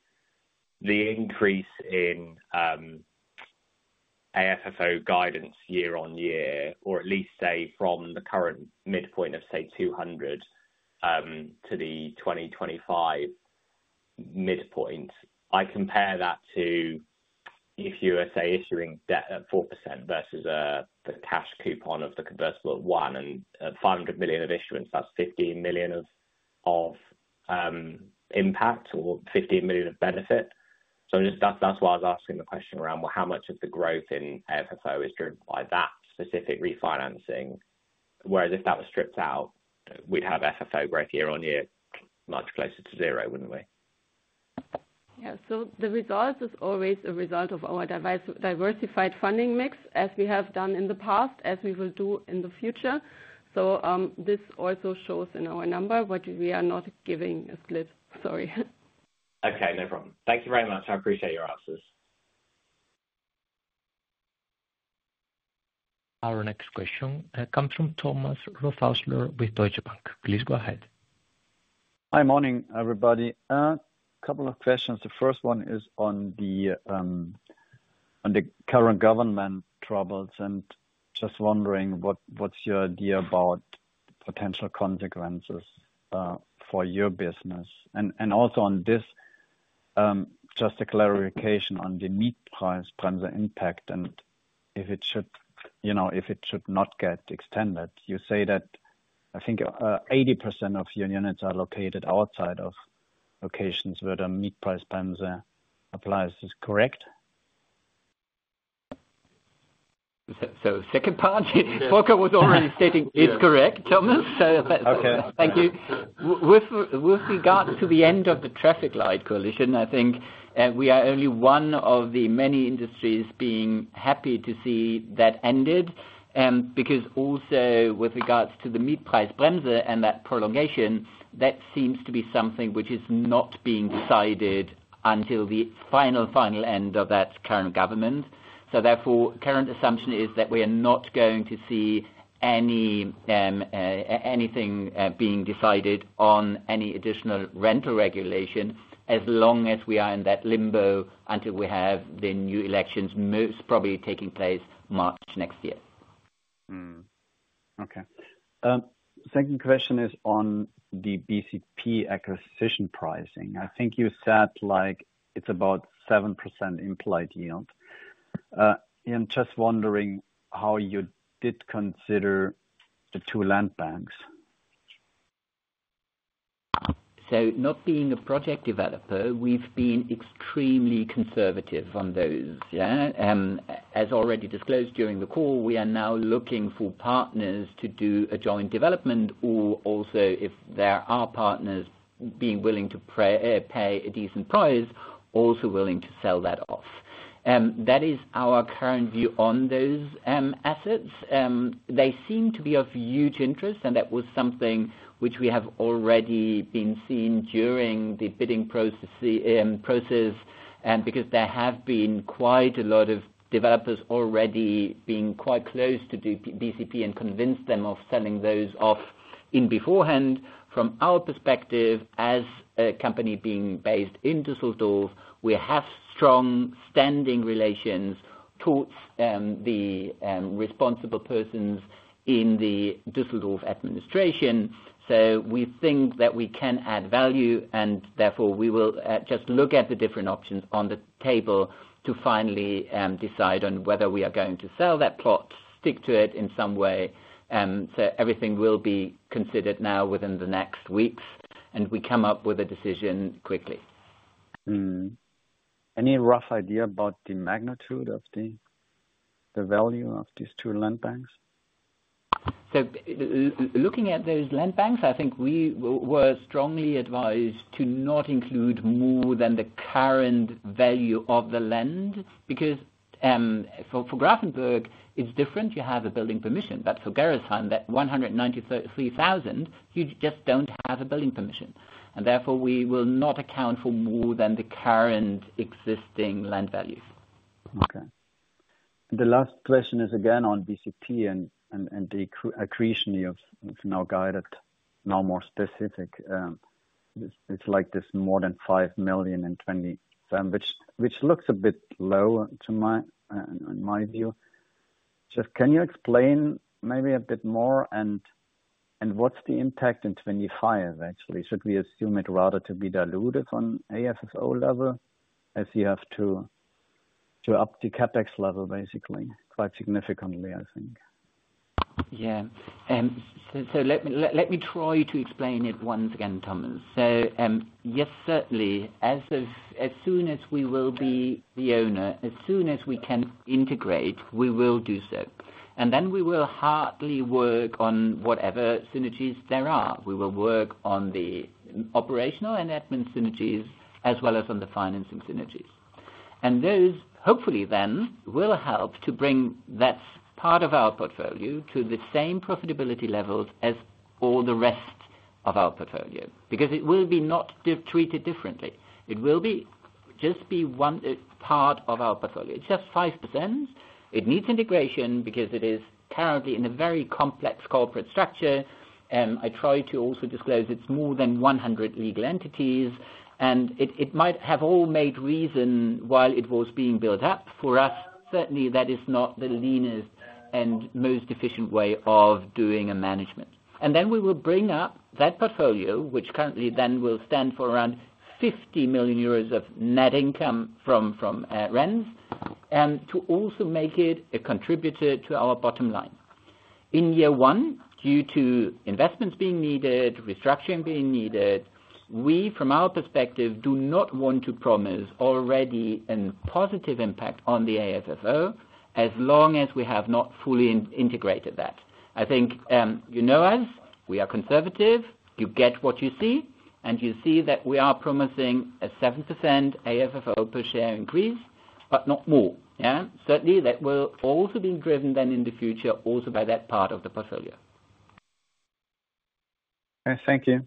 increase in AFFO guidance year on year or at least say from the current midpoint of say 200 to the 2025 midpoint. I compare that to if you are say issuing debt at 4% versus the cash coupon of the convertible at 1% and 500 million of issuance. That's 15 million of impact or 15 million of benefit. So that's why I was asking the question around how much of the growth in AFFO is driven by that specific refinancing. Whereas if that was stripped out, we'd have FFO growth year on year much closer to zero, wouldn't we? Yes, so the result is always a result of our diversified funding mix as we have done in the past, as we will do in the future. So this also shows in our number what we are not giving a split. Sorry. Okay, no problem. Thank you very much. I appreciate your answers. Our next question comes from Thomas Rothäusler with Deutsche Bank. Please go ahead. Hi. Morning, everybody. A couple of questions. The first one is on the current government troubles and just wondering what, what's your idea about potential consequences for your business? And also on this, just a clarification on the Mietpreisbremse impact and if it should, you know, if it should not get extended. You say that I think 80% of your units are located outside of locations where the Mietpreisbremse applies, is correct? So second part, Volker was already stating it's correct. Thomas, thank you. With regard to the end of the traffic light coalition, I think we are only one of the many industries being happy to see that ended because also with regards to the Mietpreisbremse and that prolongation, that seems to be something which is not being decided until the final, final end of that current government. So therefore current assumption is that we are not going to see anything being decided on any additional rental regulation as long as we are in that limbo until we have the new elections most probably taking place March next year. Okay. Second question is on the BCP acquisition pricing. I think you said like it's about 7% implied yield. I'm just wondering how you did consider the two land banks? So not being a project developer, we've been extremely conservative on those. Yeah. As already disclosed during the call, we are now looking for partners to do a joint development or also if there are partners being willing to pay a decent price, also willing to sell that off. That is our current view on those assets. They seem to be of huge interest and that was something which we have already been seen during the bidding process and because there have been quite a lot of developers already being quite close to BCP and convince them of selling those off in beforehand. From our perspective as a company being based in Düsseldorf, we have strong standing relations towards the responsible persons in the Düsseldorf administration. We think that we can add value and therefore we will just look at the different options on the table to finally decide on whether we are going to sell that plot, stick to it in some way. Everything will be considered now within the next weeks and we come up with a decision quickly. Any rough idea about the magnitude of the value of these two land banks? So looking at those land banks I think we were strongly advised to not include more than the current value of the land because for Grafenberg it's different. You have a building permission, but for Gerresheim that 193,000, you just don't have a building permission and therefore we will not account for more than the current existing land value. Okay, the last question is again on BCP and the accretion you've now guided now more specific. It's like this, more than 5 million in 2027, which looks a bit low in my view. Just can you explain maybe a bit more? And what's the impact in 2025? Actually, should we assume it rather to be diluted on AFFO level as you have to up the CAPEX level, basically quite significantly, I think. Yeah. So let me try to explain it once again, Thomas. So yes, certainly as soon as we will be the owner, as soon as we can integrate, we will do so. And then we will work hard on whatever synergies there are. We will work on the operational and admin synergies as well as on the financing synergies. And those hopefully then will help to bring that part of our portfolio to the same profitability levels as all the rest of our portfolio. Because it will not be treated differently. It will be just one part of our portfolio. It's just 5%. It needs integration because it is currently in a very complex corporate structure. I try to also disclose it's more than 100 legal entities and it might have all made sense while it was being built up for us. Certainly that is not the leanest and most efficient way of doing a management. And then we will bring up that portfolio which currently then will stand for around 50 million euros of net income from rents. And to also make it a contributor to our bottom line in year one due to investments being needed, restructuring being needed. We from our perspective do not want to promise already a positive impact on the AFFO as long as we have not fully integrated that. I think you know us, we are conservative, you get what you see and you see that we are promising a 7% AFFO per share increase, but not more. Certainly that will also be driven then in the future also by that part of the portfolio. Thank you.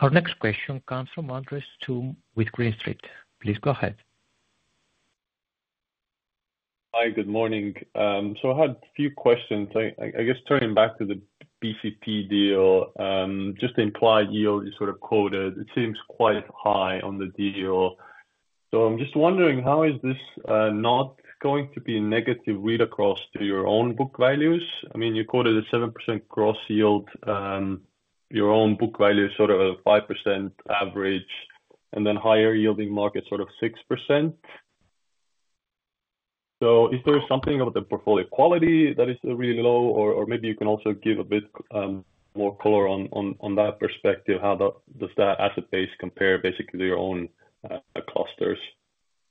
Our next question comes from Andres Toome with Green Street. Please go ahead. Hi, good morning. I had a few questions. I guess, turning back to the BCP deal, just the implied yield is sort of quoted. It seems quite high on the deal. I'm just wondering how this is not going to be a negative read? Across to your own book values, I. mean, you quoted a 7% gross yield, your own book value, sort of a 5% average and then higher yielding market sort of 6%. So is there something about the portfolio quality that is really low? Or maybe you can also give a bit more color on that perspective. How does that asset base compare basically to your own clusters?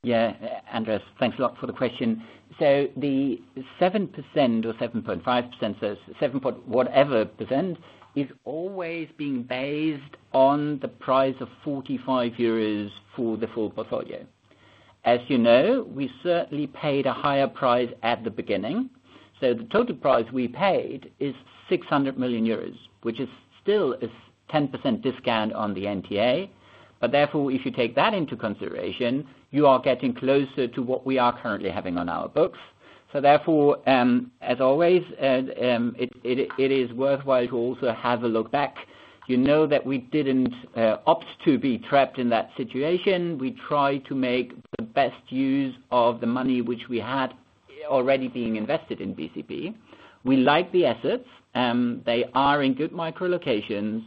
Yeah, Andres, thanks a lot for the question. So the 7% or 7.5%, 7 point whatever % is always being based on the price of 45 euros for the full portfolio. As you know, we certainly paid a higher price at the beginning. So the total price we paid is 600 million euros, which is still a 10% discount on the NTA. But therefore, if you take that into consideration, you are getting closer to what we are currently having on our books. So therefore, as always, it is worthwhile to also have a look back. You know, that we didn't opt to be trapped in that situation. We tried to make the best use of the money which we had already being invested in BCP. We like the assets, they are in good micro locations.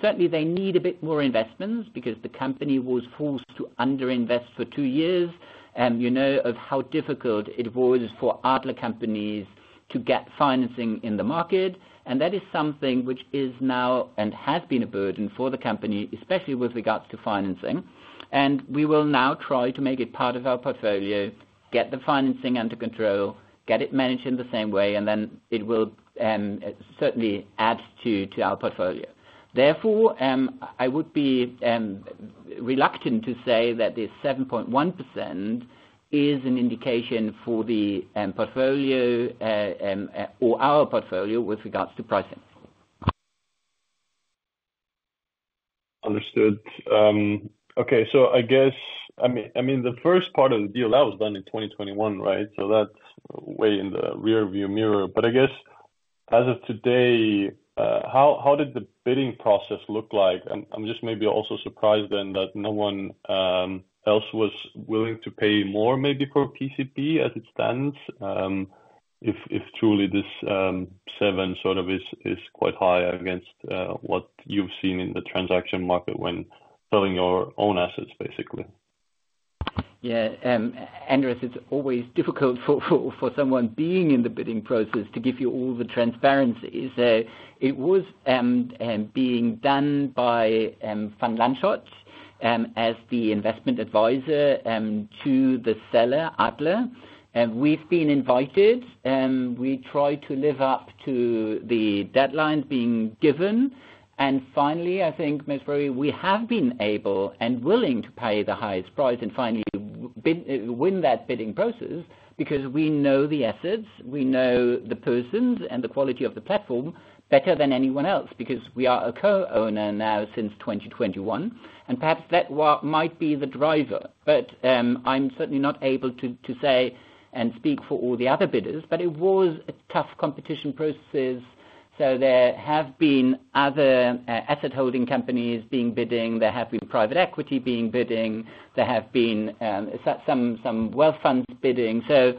Certainly they need a bit more investments because the company was fully underinvested for two years. You know how difficult it was for Adler companies to get financing in the market, and that is something which is now and has been a burden for the company, especially with regards to financing, and we will now try to make it part of our portfolio, get the financing under control, get it managed in the same way, and then it will certainly add to our portfolio. Therefore, I would be reluctant to say that this 7.1% is an indication for the portfolio or our portfolio with regards to pricing. Understood. Okay. So I guess, I mean the first. Part of the deal that was done in 2021, right. So that's way in the rear view mirror. But I guess as of today, how. Did the bidding process look like? I'm just maybe also surprised then that. No one else was willing to pay more maybe for BCP. As it stands, if truly this 7. Sort of is quite high against what you've seen in the transaction market when selling your own assets. Basically, yeah. Andres, it's always difficult for someone being in the bidding process to give you all the transparency. It was being done by Van Lanschot Kempen as the investment adviser to the seller Adler. And we've been invited, we try to live up to the deadline being given. And finally, I think,, we have been able and willing to pay the highest price and finally win that bidding process because we know the assets, we know the persons and the quality of the platform better than anyone else because we are a co-owner now since 2021 and perhaps that might be the driver. But I'm certainly not able to say and speak for all the other bidders, but it was a tough competition process. So there have been other asset holding companies being bidding, there have been private equity being bidding, there have been some wealth funds bidding. So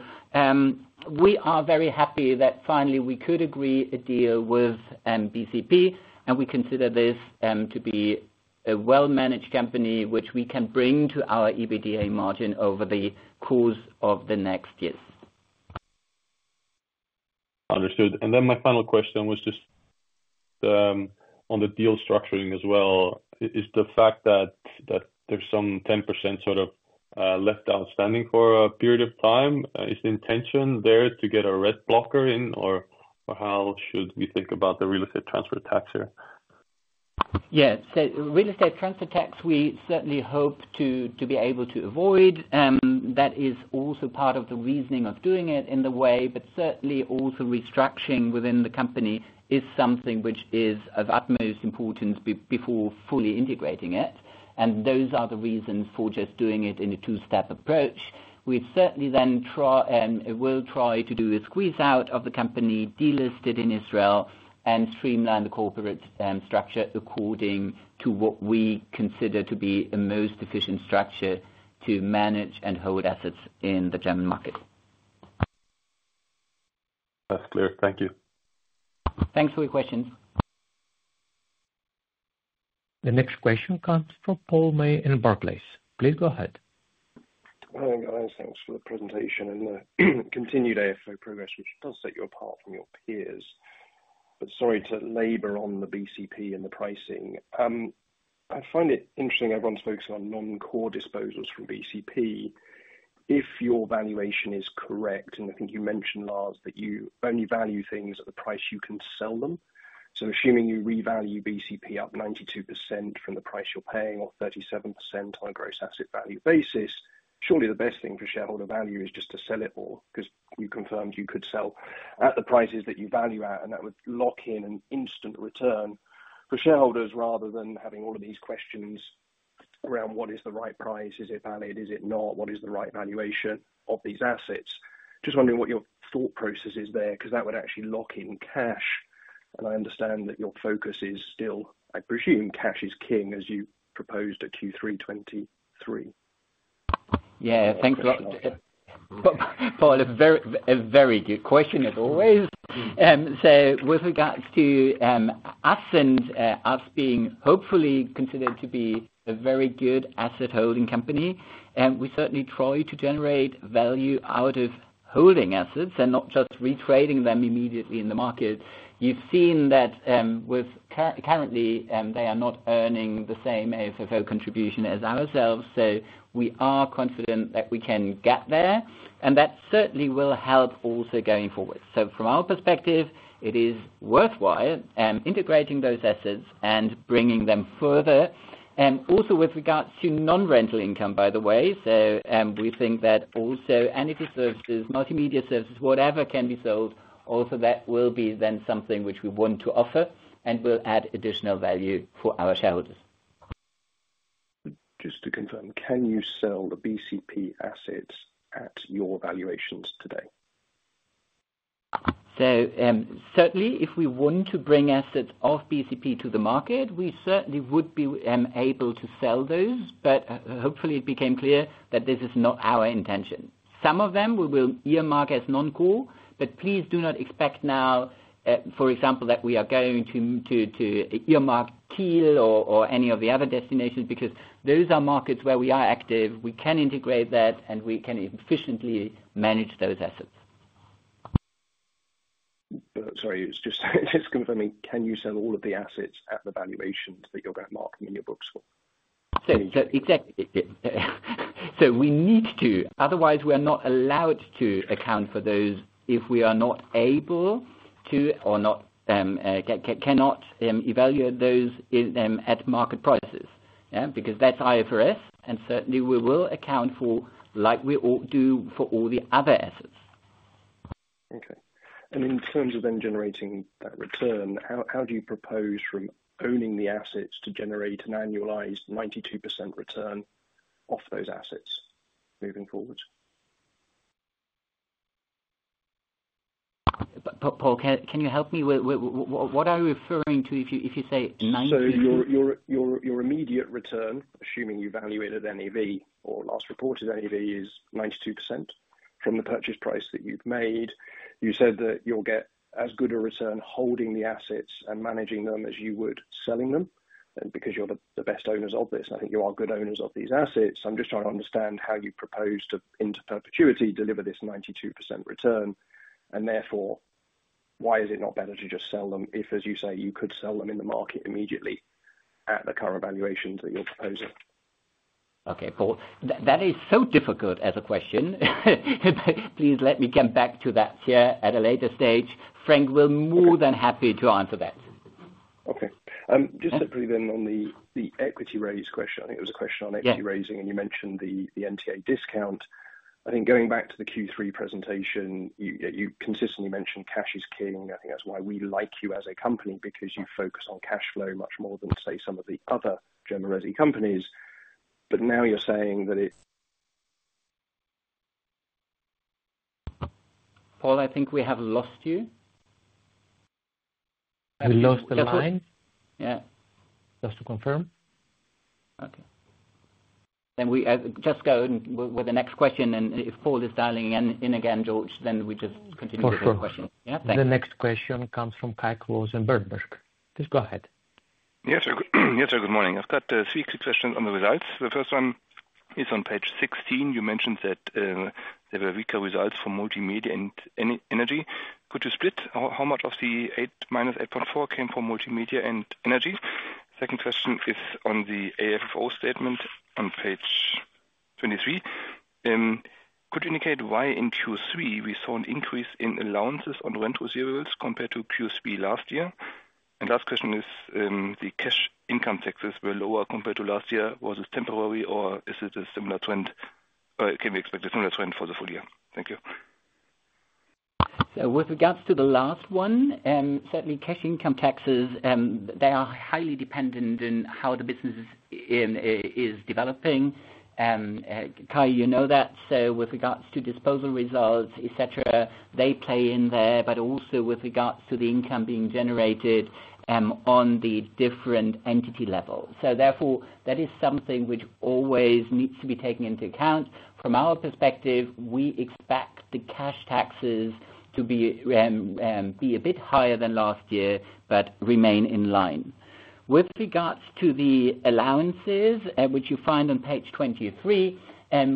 we are very happy that finally we could agree a deal with BCP and we consider this to be a well managed company which we can bring to our EBITDA margin over the course of the next year. Understood. And then my final question was just. On the deal structuring as well. Is the fact that there's some 10% sort of left outstanding for a period of time? Is the intention there to get a RETT blocker in? Or how should we think about the real estate transfer tax here? Yes, real estate transfer tax we certainly hope to be able to avoid. That is also part of the reasoning of doing it in the way, but certainly also restructuring within the company is something which is of utmost importance before fully integrating it, and those are the reasons for just doing it in a two-step approach. We certainly then will try to do a squeeze-out of the company delisted in Israel and streamline the corporate structure according to what we consider to be a most efficient structure to manage and hold assets in the German market. That's clear. Thank you. Thanks for your questions. The next question comes from Paul May and Barclays. Please go ahead. Hi guys, thanks for the presentation and the continued AFFO progress which does set you apart from your peers. But sorry to labor on the BCP and the pricing. I find it interesting everyone's focusing on non core disposals from BCP. If your valuation is correct and I think you mentioned Lars, that you only value things at the price you can sell them. So assuming you revalue BCP up 92% from the price you're paying or 37% on a gross asset value basis, surely the best thing for shareholder value is just to sell it all. Because you confirmed you could sell at the prices that you value at and that would lock in an instant return for shareholders rather than having all of these questions around what is the right price? Is it valid, is it not? What is the right valuation of these assets? Just wondering what your thought process is there because that would actually lock in cash, and I understand that your focus is still, I presume, cash is king as you proposed at Q3 2023. Yeah, thanks a lot, Paul. A very good question as always, so with regards to us and us being hopefully considered to be a very good asset holding company, and we certainly try to generate value out of holding assets and not just retrading them immediately in the market. You've seen that currently they are not earning the same AFFO contribution as ourselves, so we are confident that we can get there and that certainly will help also going forward, so from our perspective it is worthwhile while integrating those assets and bringing them further, and also with regards to non-rental income, by the way, so we think that also tenant services, multimedia services, whatever can be sold also that will be then something which we want to offer and will add additional value for our shareholders. Just to confirm, can you sell the BCP assets at your valuations today? So certainly if we want to bring assets of BCP to the market, we certainly would be able to sell those. But hopefully it became clear that this is not our intention. Some of them we will earmark as non core. But please do not expect now for example, that we are going to earmark Kiel or any of the other destinations because those are markets where we are active, we can integrate that and we can efficiently manage those assets. Sorry, confirming, can you sell all of the assets at the valuations that you're going to mark them in your books for? Exactly. So we need to. Otherwise we are not allowed to account for those if we are not able to or cannot evaluate those at market prices. Because that's IFRS and certainly we will account for like we do for all the other assets. Okay, and in terms of then generating that return, how do you propose from owning the assets to generate an annualized 92% return off those assets moving forward? Paul, can you help me? What are you referring to? If you say 90%. So your immediate return, assuming you value it at NAV or last reported NAV, is 92% from the purchase price that you've made. You said that you'll get as good a return holding the assets and managing them as you would selling them. Because you're the best owners of this. I think you are good owners of these assets. I'm just trying to understand how you propose to into perpetuity deliver this 92% return. And therefore why is it not better to just sell them if, as you say, you could sell them in the market immediately at the current valuations that you're proposing? Okay, Paul, that is so difficult as a question. Please let me come back to that here at a later stage. Frank will more than happy to answer that. Okay, just separately then on the equity raise question. I think it was a question on equity raising and you mentioned the NTA discount. I think going back to the Q3 presentation, you consistently mentioned cash is king. I think that's why we like you as a company because you focus on cash flow much more than say some of the other generality companies. But now you're saying that it. Paul, I think we have lost you. We lost the line. Yeah, just to confirm. Okay, then we just go with the next question. And if Paul is dialing in again, George, then we just continue. The next question comes from Kai Klose and Berenberg. Please go ahead. Yes, sir. Good morning. I've got three quick questions on the results. The first one is on page 16. You mentioned that there were weaker results for multimedia and energy. Could you split how much of the 8 minus 8.4 came from multimedia and energy? Second question is on the AFFO statement on page 23. Could you indicate why in Q3 we saw an increase in allowances on rent receivables compared to Q3 last year? And last question, is the cash income taxes were lower compared to last year. Was it temporary or is it a similar trend? Can we expect a similar trend for the full year? Thank you. So with regards to the last one, certainly cash income taxes, they are highly dependent on how the business is developing. Kai, you know that. So with regards to disposal results, etc. They play in there. But also with regards to the income being generated on the different entity levels. So therefore that is something which always needs to be taken into account. From our perspective, we expect the cash taxes to be a bit higher than last year but remain in line. With regards to the allowances which you find on page 23,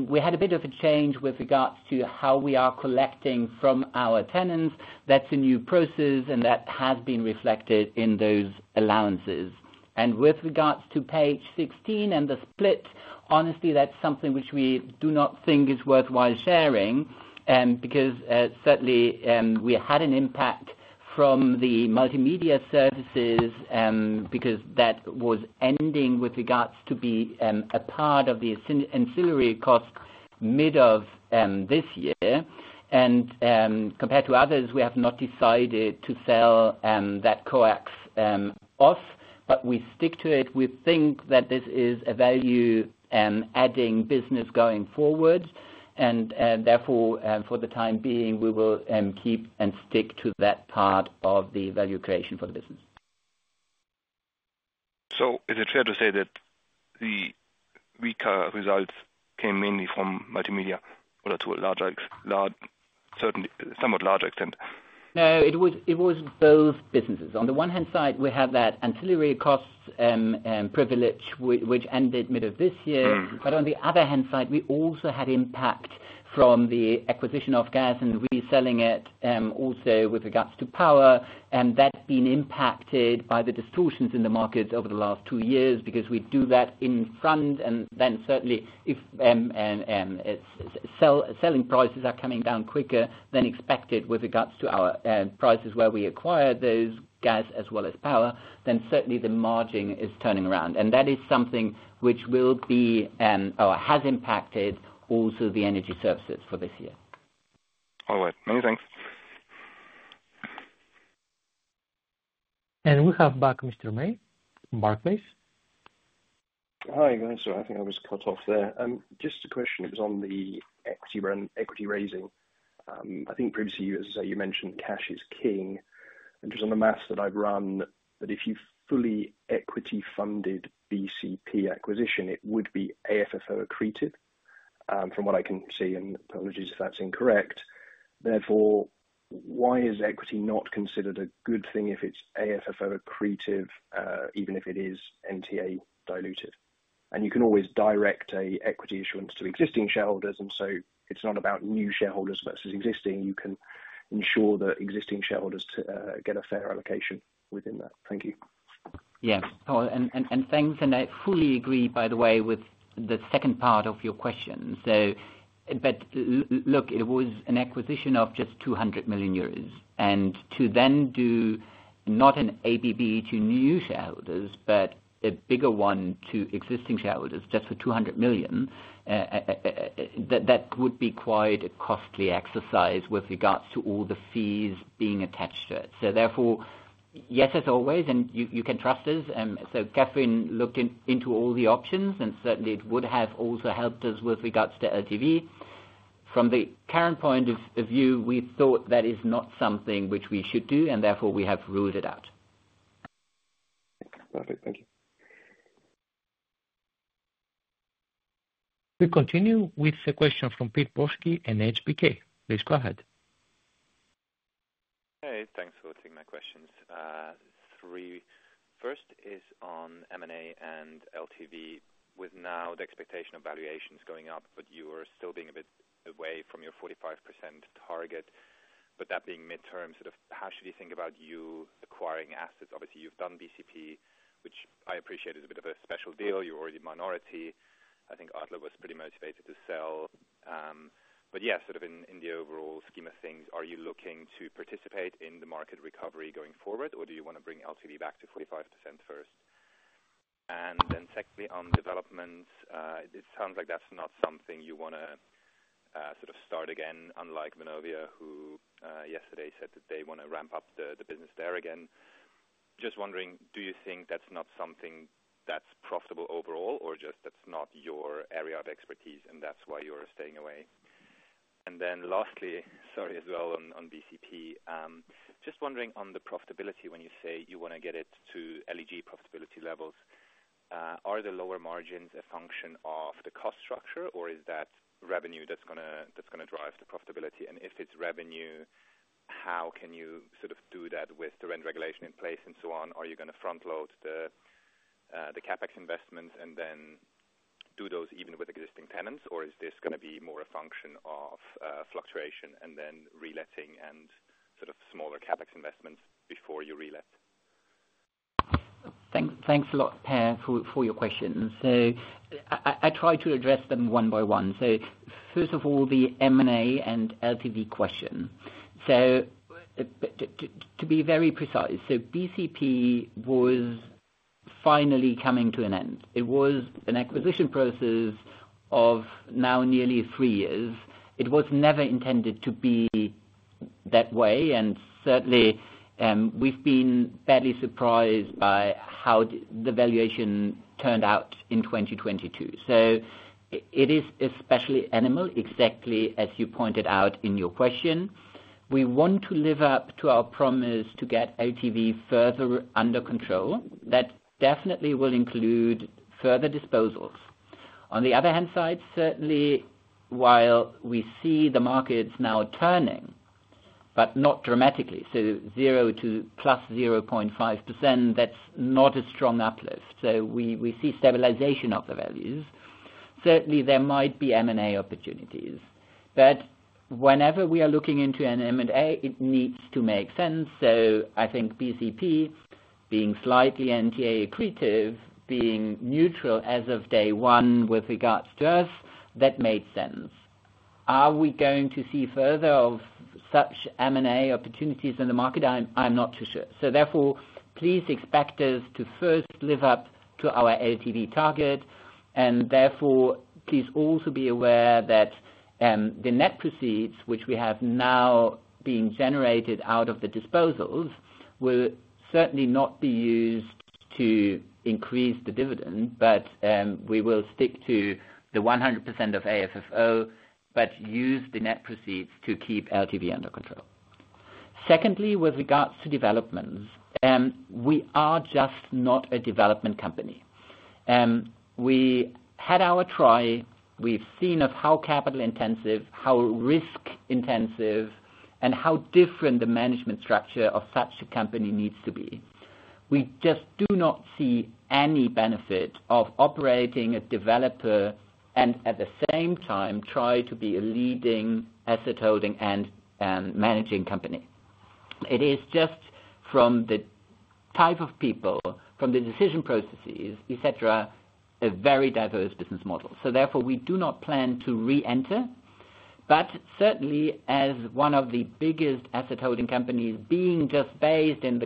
we had a bit of a change with regards to how we are collecting from our tenants. That's a new process and that has been reflected in those allowances. And with regards to page 16 and the split, honestly that's something which we do not think is worthwhile sharing because certainly we had an impact from the multimedia services because that was ending. With regards to the part of the ancillary cost mid of this year and compared to others we have not decided to sell that coax off, but we stick to it. We think that this is a value-adding business going forward and therefore for the time being we will keep and stick to that part of the value creation for the business. So is it fair to say that the weaker results came mainly from multifamily to a larger, somewhat larger extent? No, it was both businesses. On the one hand side we have that ancillary costs privilege which ended mid of this year. But on the other hand side we also had impact from the acquisition of gas and reselling it also with regards to power and that being impacted by the distortions in the markets over the last two years because we do that in front and then certainly if selling prices are coming down quicker than expected with regards to our prices where we acquired those gas as well as power, then certainly the margin is turning around and that is something which will be or has impacted also the energy services for this year. All right, many thanks. We have back Mr. May, Barclays. Hi guys, I think I was cut off there. Just a question. It was on the equity raising I think previously as I say you mentioned, cash is king and just on the math that I've run. But if you fully equity funded BCP acquisition it would be AFFO accretive from what I can see and apologies if that's incorrect. Therefore why is equity not considered a good thing if it's AFFO accretive even if it is NTA diluted? And you can always direct a equity issuance to existing shareholders and so it's not about new shareholders versus existing. You can ensure that existing shareholders get a fair allocation within that. Thank you. Yes, Paul, and thanks, and I fully agree, by the way, with the second part of your question. So, but look, it was an acquisition of just 200 million euros, and to then do not an ABB to new shareholders but a bigger one to existing shareholders just for 200 million, that would be quite a costly exercise with regards to all, all the fees being attached to it. So, therefore, yes, as always, and you can trust us. So, Kathrin looked into all the options, and certainly it would have also helped us with regards to LTV. From the current point of view, we thought that is not something which we should do, and therefore we have ruled it out. Perfect, thank you. We continue with a question from Piotr Burski and HBK. Please go ahead. Hey, thanks for taking my questions. The first is on M and A and LTV with now the expectation of valuations going up, but you are still being a bit away from your 45% target. But that being mid-term, how should you think about you acquiring assets? Obviously you've done BCP which I appreciate is a bit of a special deal. You're already minority. I think Adler was pretty motivated to sell, but yes, sort of in the overall scheme of things. Are you looking to participate in the market recovery going forward or do you want to bring LTV back to 45% first and then secondly on developments it sounds like that's not something you want to sort of start again, unlike Vonovia who yesterday said that they want to ramp up the business there. Again, just wondering, do you think that's not something that's profitable overall or just that's not your area of expertise and that's why you're staying away? And then lastly, sorry as well on BCP, just wondering on the profitability, when you say you want to get it to LEG profitability levels, are the lower margins a function of the cost structure or is that revenue that's going to drive the profitability? And if it's revenue, how can you sort of do that with the rent regulation in place and so on? Are you going to front load the CapEx investments and then do those even with existing tenants, or is this going to be more a function of fluctuation and then reletting and sort of smaller CapEx investments before you re let. Thanks a lot, Paul, for your question. So I try to address them one by one. So first of all the M and A and LTV question. So to be very precise, BCP was finally coming to an end. It was an acquisition process of now nearly three years. It was never intended to be that way and certainly we've been badly surprised by how the valuation turned out in 2022 so it is especially anomalous. Exactly. As you pointed out in your question, we want to live up to our promise to get LTV further under control. That definitely will include further disposals. On the other hand side, certainly while we see the markets now turning but not dramatically so 0% to +0.5% that's not a strong uplift. So we see stabilization of the values. Certainly there might be M&A opportunities but whenever we are looking into M&A it needs to make sense. So I think BCP being slightly NTA accretive, being neutral as of day one with regards to us, that made sense. Are we going to see further of such M&A opportunities in the market? I'm not too sure. So therefore please expect us to first live up to our LTV target and therefore please also be aware that the net proceeds which we have now being generated out of the disposals will certainly not be used to increase the dividend but we will stick to the 100% of AFFO but use the net proceeds to keep LTV under control. Secondly, with regards to developments we are just not a development company. We had our try. We've seen how capital intensive, how risk intensive and how different the management structure of such a company needs to be. We just do not see any benefit of operating a developer and at the same time try to be a leading asset holding and managing company. It is just from the type of people, from the decision processes, et cetera, a very diverse business model. Therefore we do not plan to re-enter. But certainly as one of the biggest asset holding companies being just based in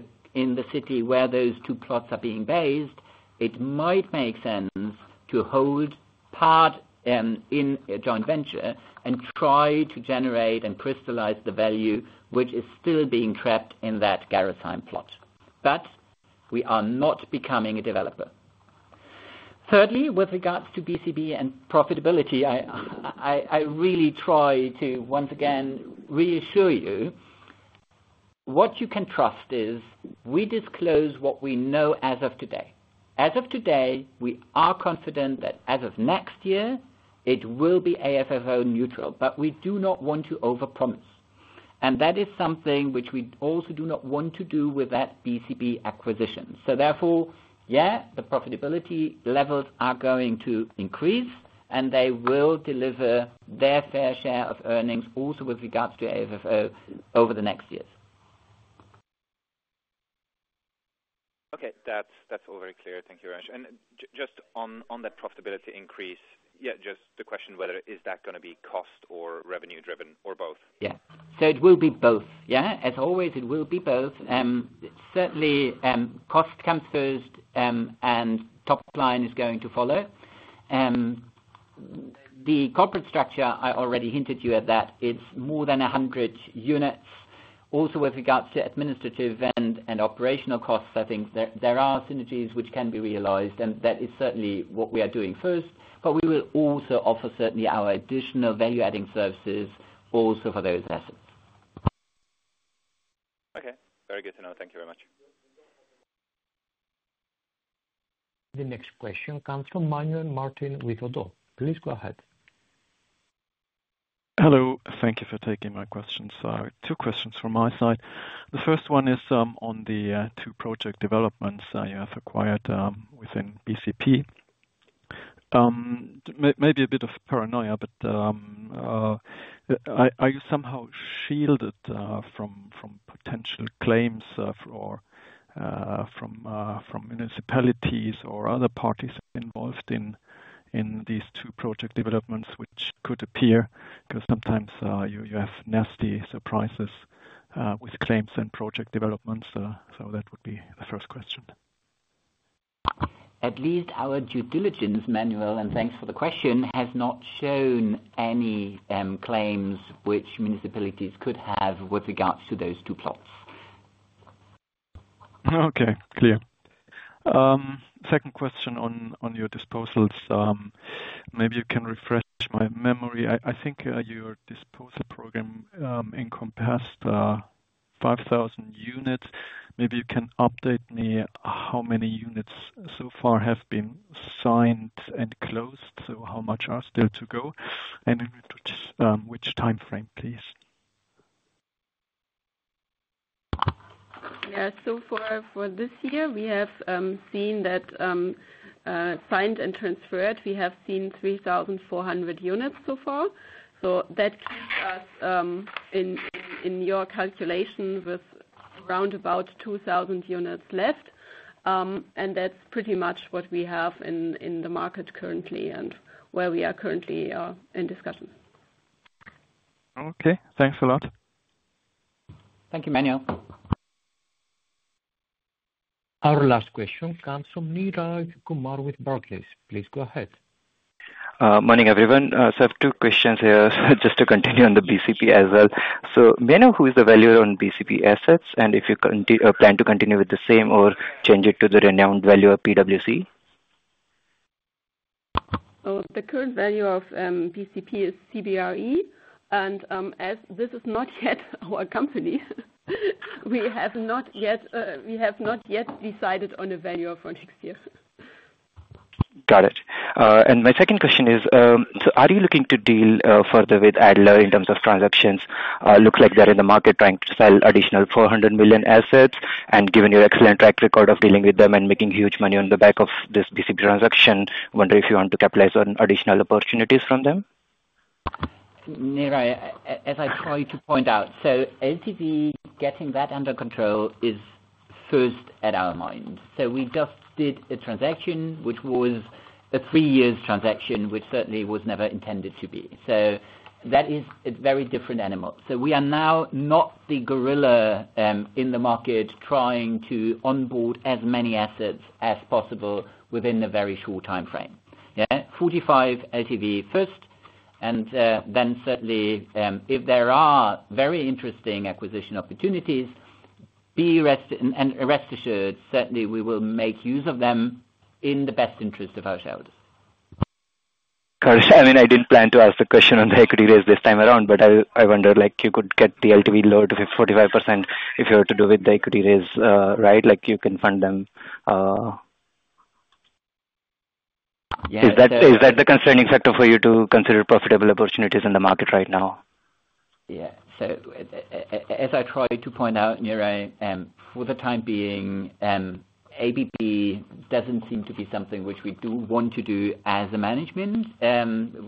the city where those two plots are being based, it might make sense to hold part in a joint venture and try to generate and crystallize the value which is still being trapped in that Gerresheim plot. But we are not becoming a developer. Thirdly, with regards to BCP and profitability, I really try to once again reassure you. What you can trust is we disclose what we know as of today. As of today we are confident that as of next year it will be AFFO neutral, but we do not want to over promise and that is something which we also do not want to do with that BCP acquisition, so therefore, yes, the profitability levels are going to increase and they will deliver their fair share of earnings also with regards to AFFO over the next years. Okay, that's all very clear. Thank you, Lars. And just on that profitability increase, just the question whether is that going to be cost or revenue driven or both? Yes, so it will be both. Yeah, as always, it will be both. Certainly, cost comes first, and top line is going to follow the corporate structure. I already hinted you at that it's more than 100 units. Also, with regards to administrative and operational costs, I think there are synergies which can be realized, and that is certainly what we are doing first. But we will also offer certainly our additional value adding services also for those assets. Okay, very good to know. Thank you very much. The next question comes from Manuel Martin. Please go ahead. Hello. Thank you for taking my questions. Two questions from my side. The first one is on the two project developments you have acquired within BCP. Maybe a bit of paranoia, but are you somehow shielded from potential claims from municipalities or other parties involved in these two project developments which could appear because sometimes you have nasty surprises with claims and project developments. So that would be the first question. At least. Our due diligence manual and thanks for the question has not shown any claims which municipality could have with regards to those two plots. Okay, clear second question on your disposals. Maybe you can refresh my memory. I think your disposal program encompassed 5,000 units. Maybe you can update me how many units so far have been signed and closed? So how much are still to go and which time frame please? Yes, so far for this year we have seen that signed and transferred, we have seen 3,400 units so far. So that keeps us in your calculation with around about 2,000 units left. And that's pretty much what we have in the market currently and where we are currently in discussion. Okay, thanks a lot. Thank you, Manuel. Our last question comes from Neeraj Kumar with Barclays. Please go ahead. Morning everyone. So I have two questions here just to continue on the BCP as well. So, may I know who is the valuer? On BCP assets and if you plan to continue with the same or change it to the renowned value of PwC? The current value of BCP is CBRE, and as this is not yet our company, we have not yet decided on the value for next year. Got it. And my second question is, are you looking to deal further with Adler in terms of transactions? Looks like they're in the market trying. To sell additional 400 million assets. And given your excellent track record of dealing with them and making huge money on the back of this basic transaction, wonder if you want to capitalize on additional opportunities from them? Neeraj, as I tried to point out, so LTV, getting that under control is first at our mind. So we just did a transaction which was a three-year transaction which certainly was never intended to be. So that is very different. So we are now not the gorilla in the market trying to onboard as many assets as possible within a very short time frame. 45% LTV first and then certainly if there are very interesting acquisition opportunities, rest assured, certainly we will make use of them in the best interest of our shareholders. I mean I didn't plan to ask. The question on the equity raise this time around, but I wonder like you could get the LTV lower to 45% if you were to do with the equity raise, right? Like you can fund them. Is that the concerning factor for you? To consider profitable opportunities in the market right now? Yeah, so as I tried to point out, Neeraj, for the time being BCP doesn't seem to be something which we do want to do as a management.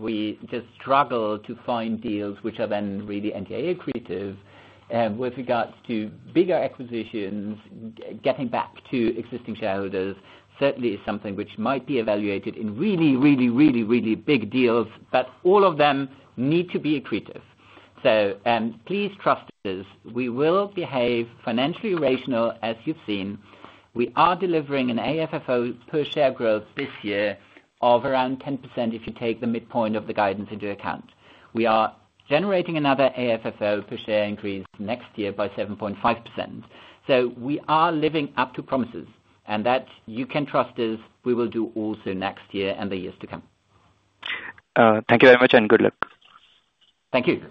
We just struggle to find deals which are then really NTA accretive with regards to bigger acquisitions. Getting back to existing shareholders certainly is something which might be evaluated in really, really, really, really big deals. But all of them need to be accretive, so please trust us, we will behave financially rational. As you've seen, we are delivering an AFFO per share growth this year of around 10%. If you take the midpoint of the guidance into account, we are generating another AFFO per share increase next year by 7.5%, so we are living up to promises and that you can trust us. We will do also next year and the years to come. Thank you very much and good luck. Thank you.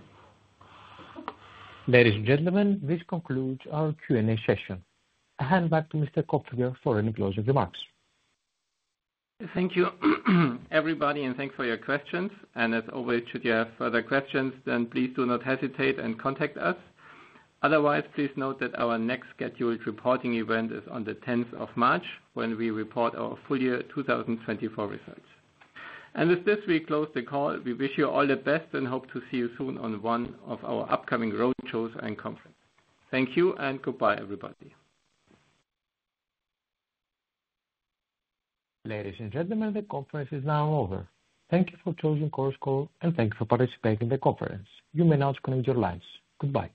Ladies and gentlemen, this concludes our Q and A session. I hand back to Mr. Kopfinger for any closing remarks. Thank you everybody and thanks for your. Questions, and as always, should you have further questions, then please do not hesitate and contact us. Otherwise, please note that our next scheduled. Reporting event is on the 10th of. March when we report our full year. 2024 results, and with this we close the call. We wish you all the best and hope to see you soon on one. Of our upcoming roadshows and conference. Thank you and goodbye everybody. Ladies and gentlemen, the conference is now over. Thank you for choosing Chorus Call and thank you for participating in the conference. You may now disconnect your lines. Goodbye.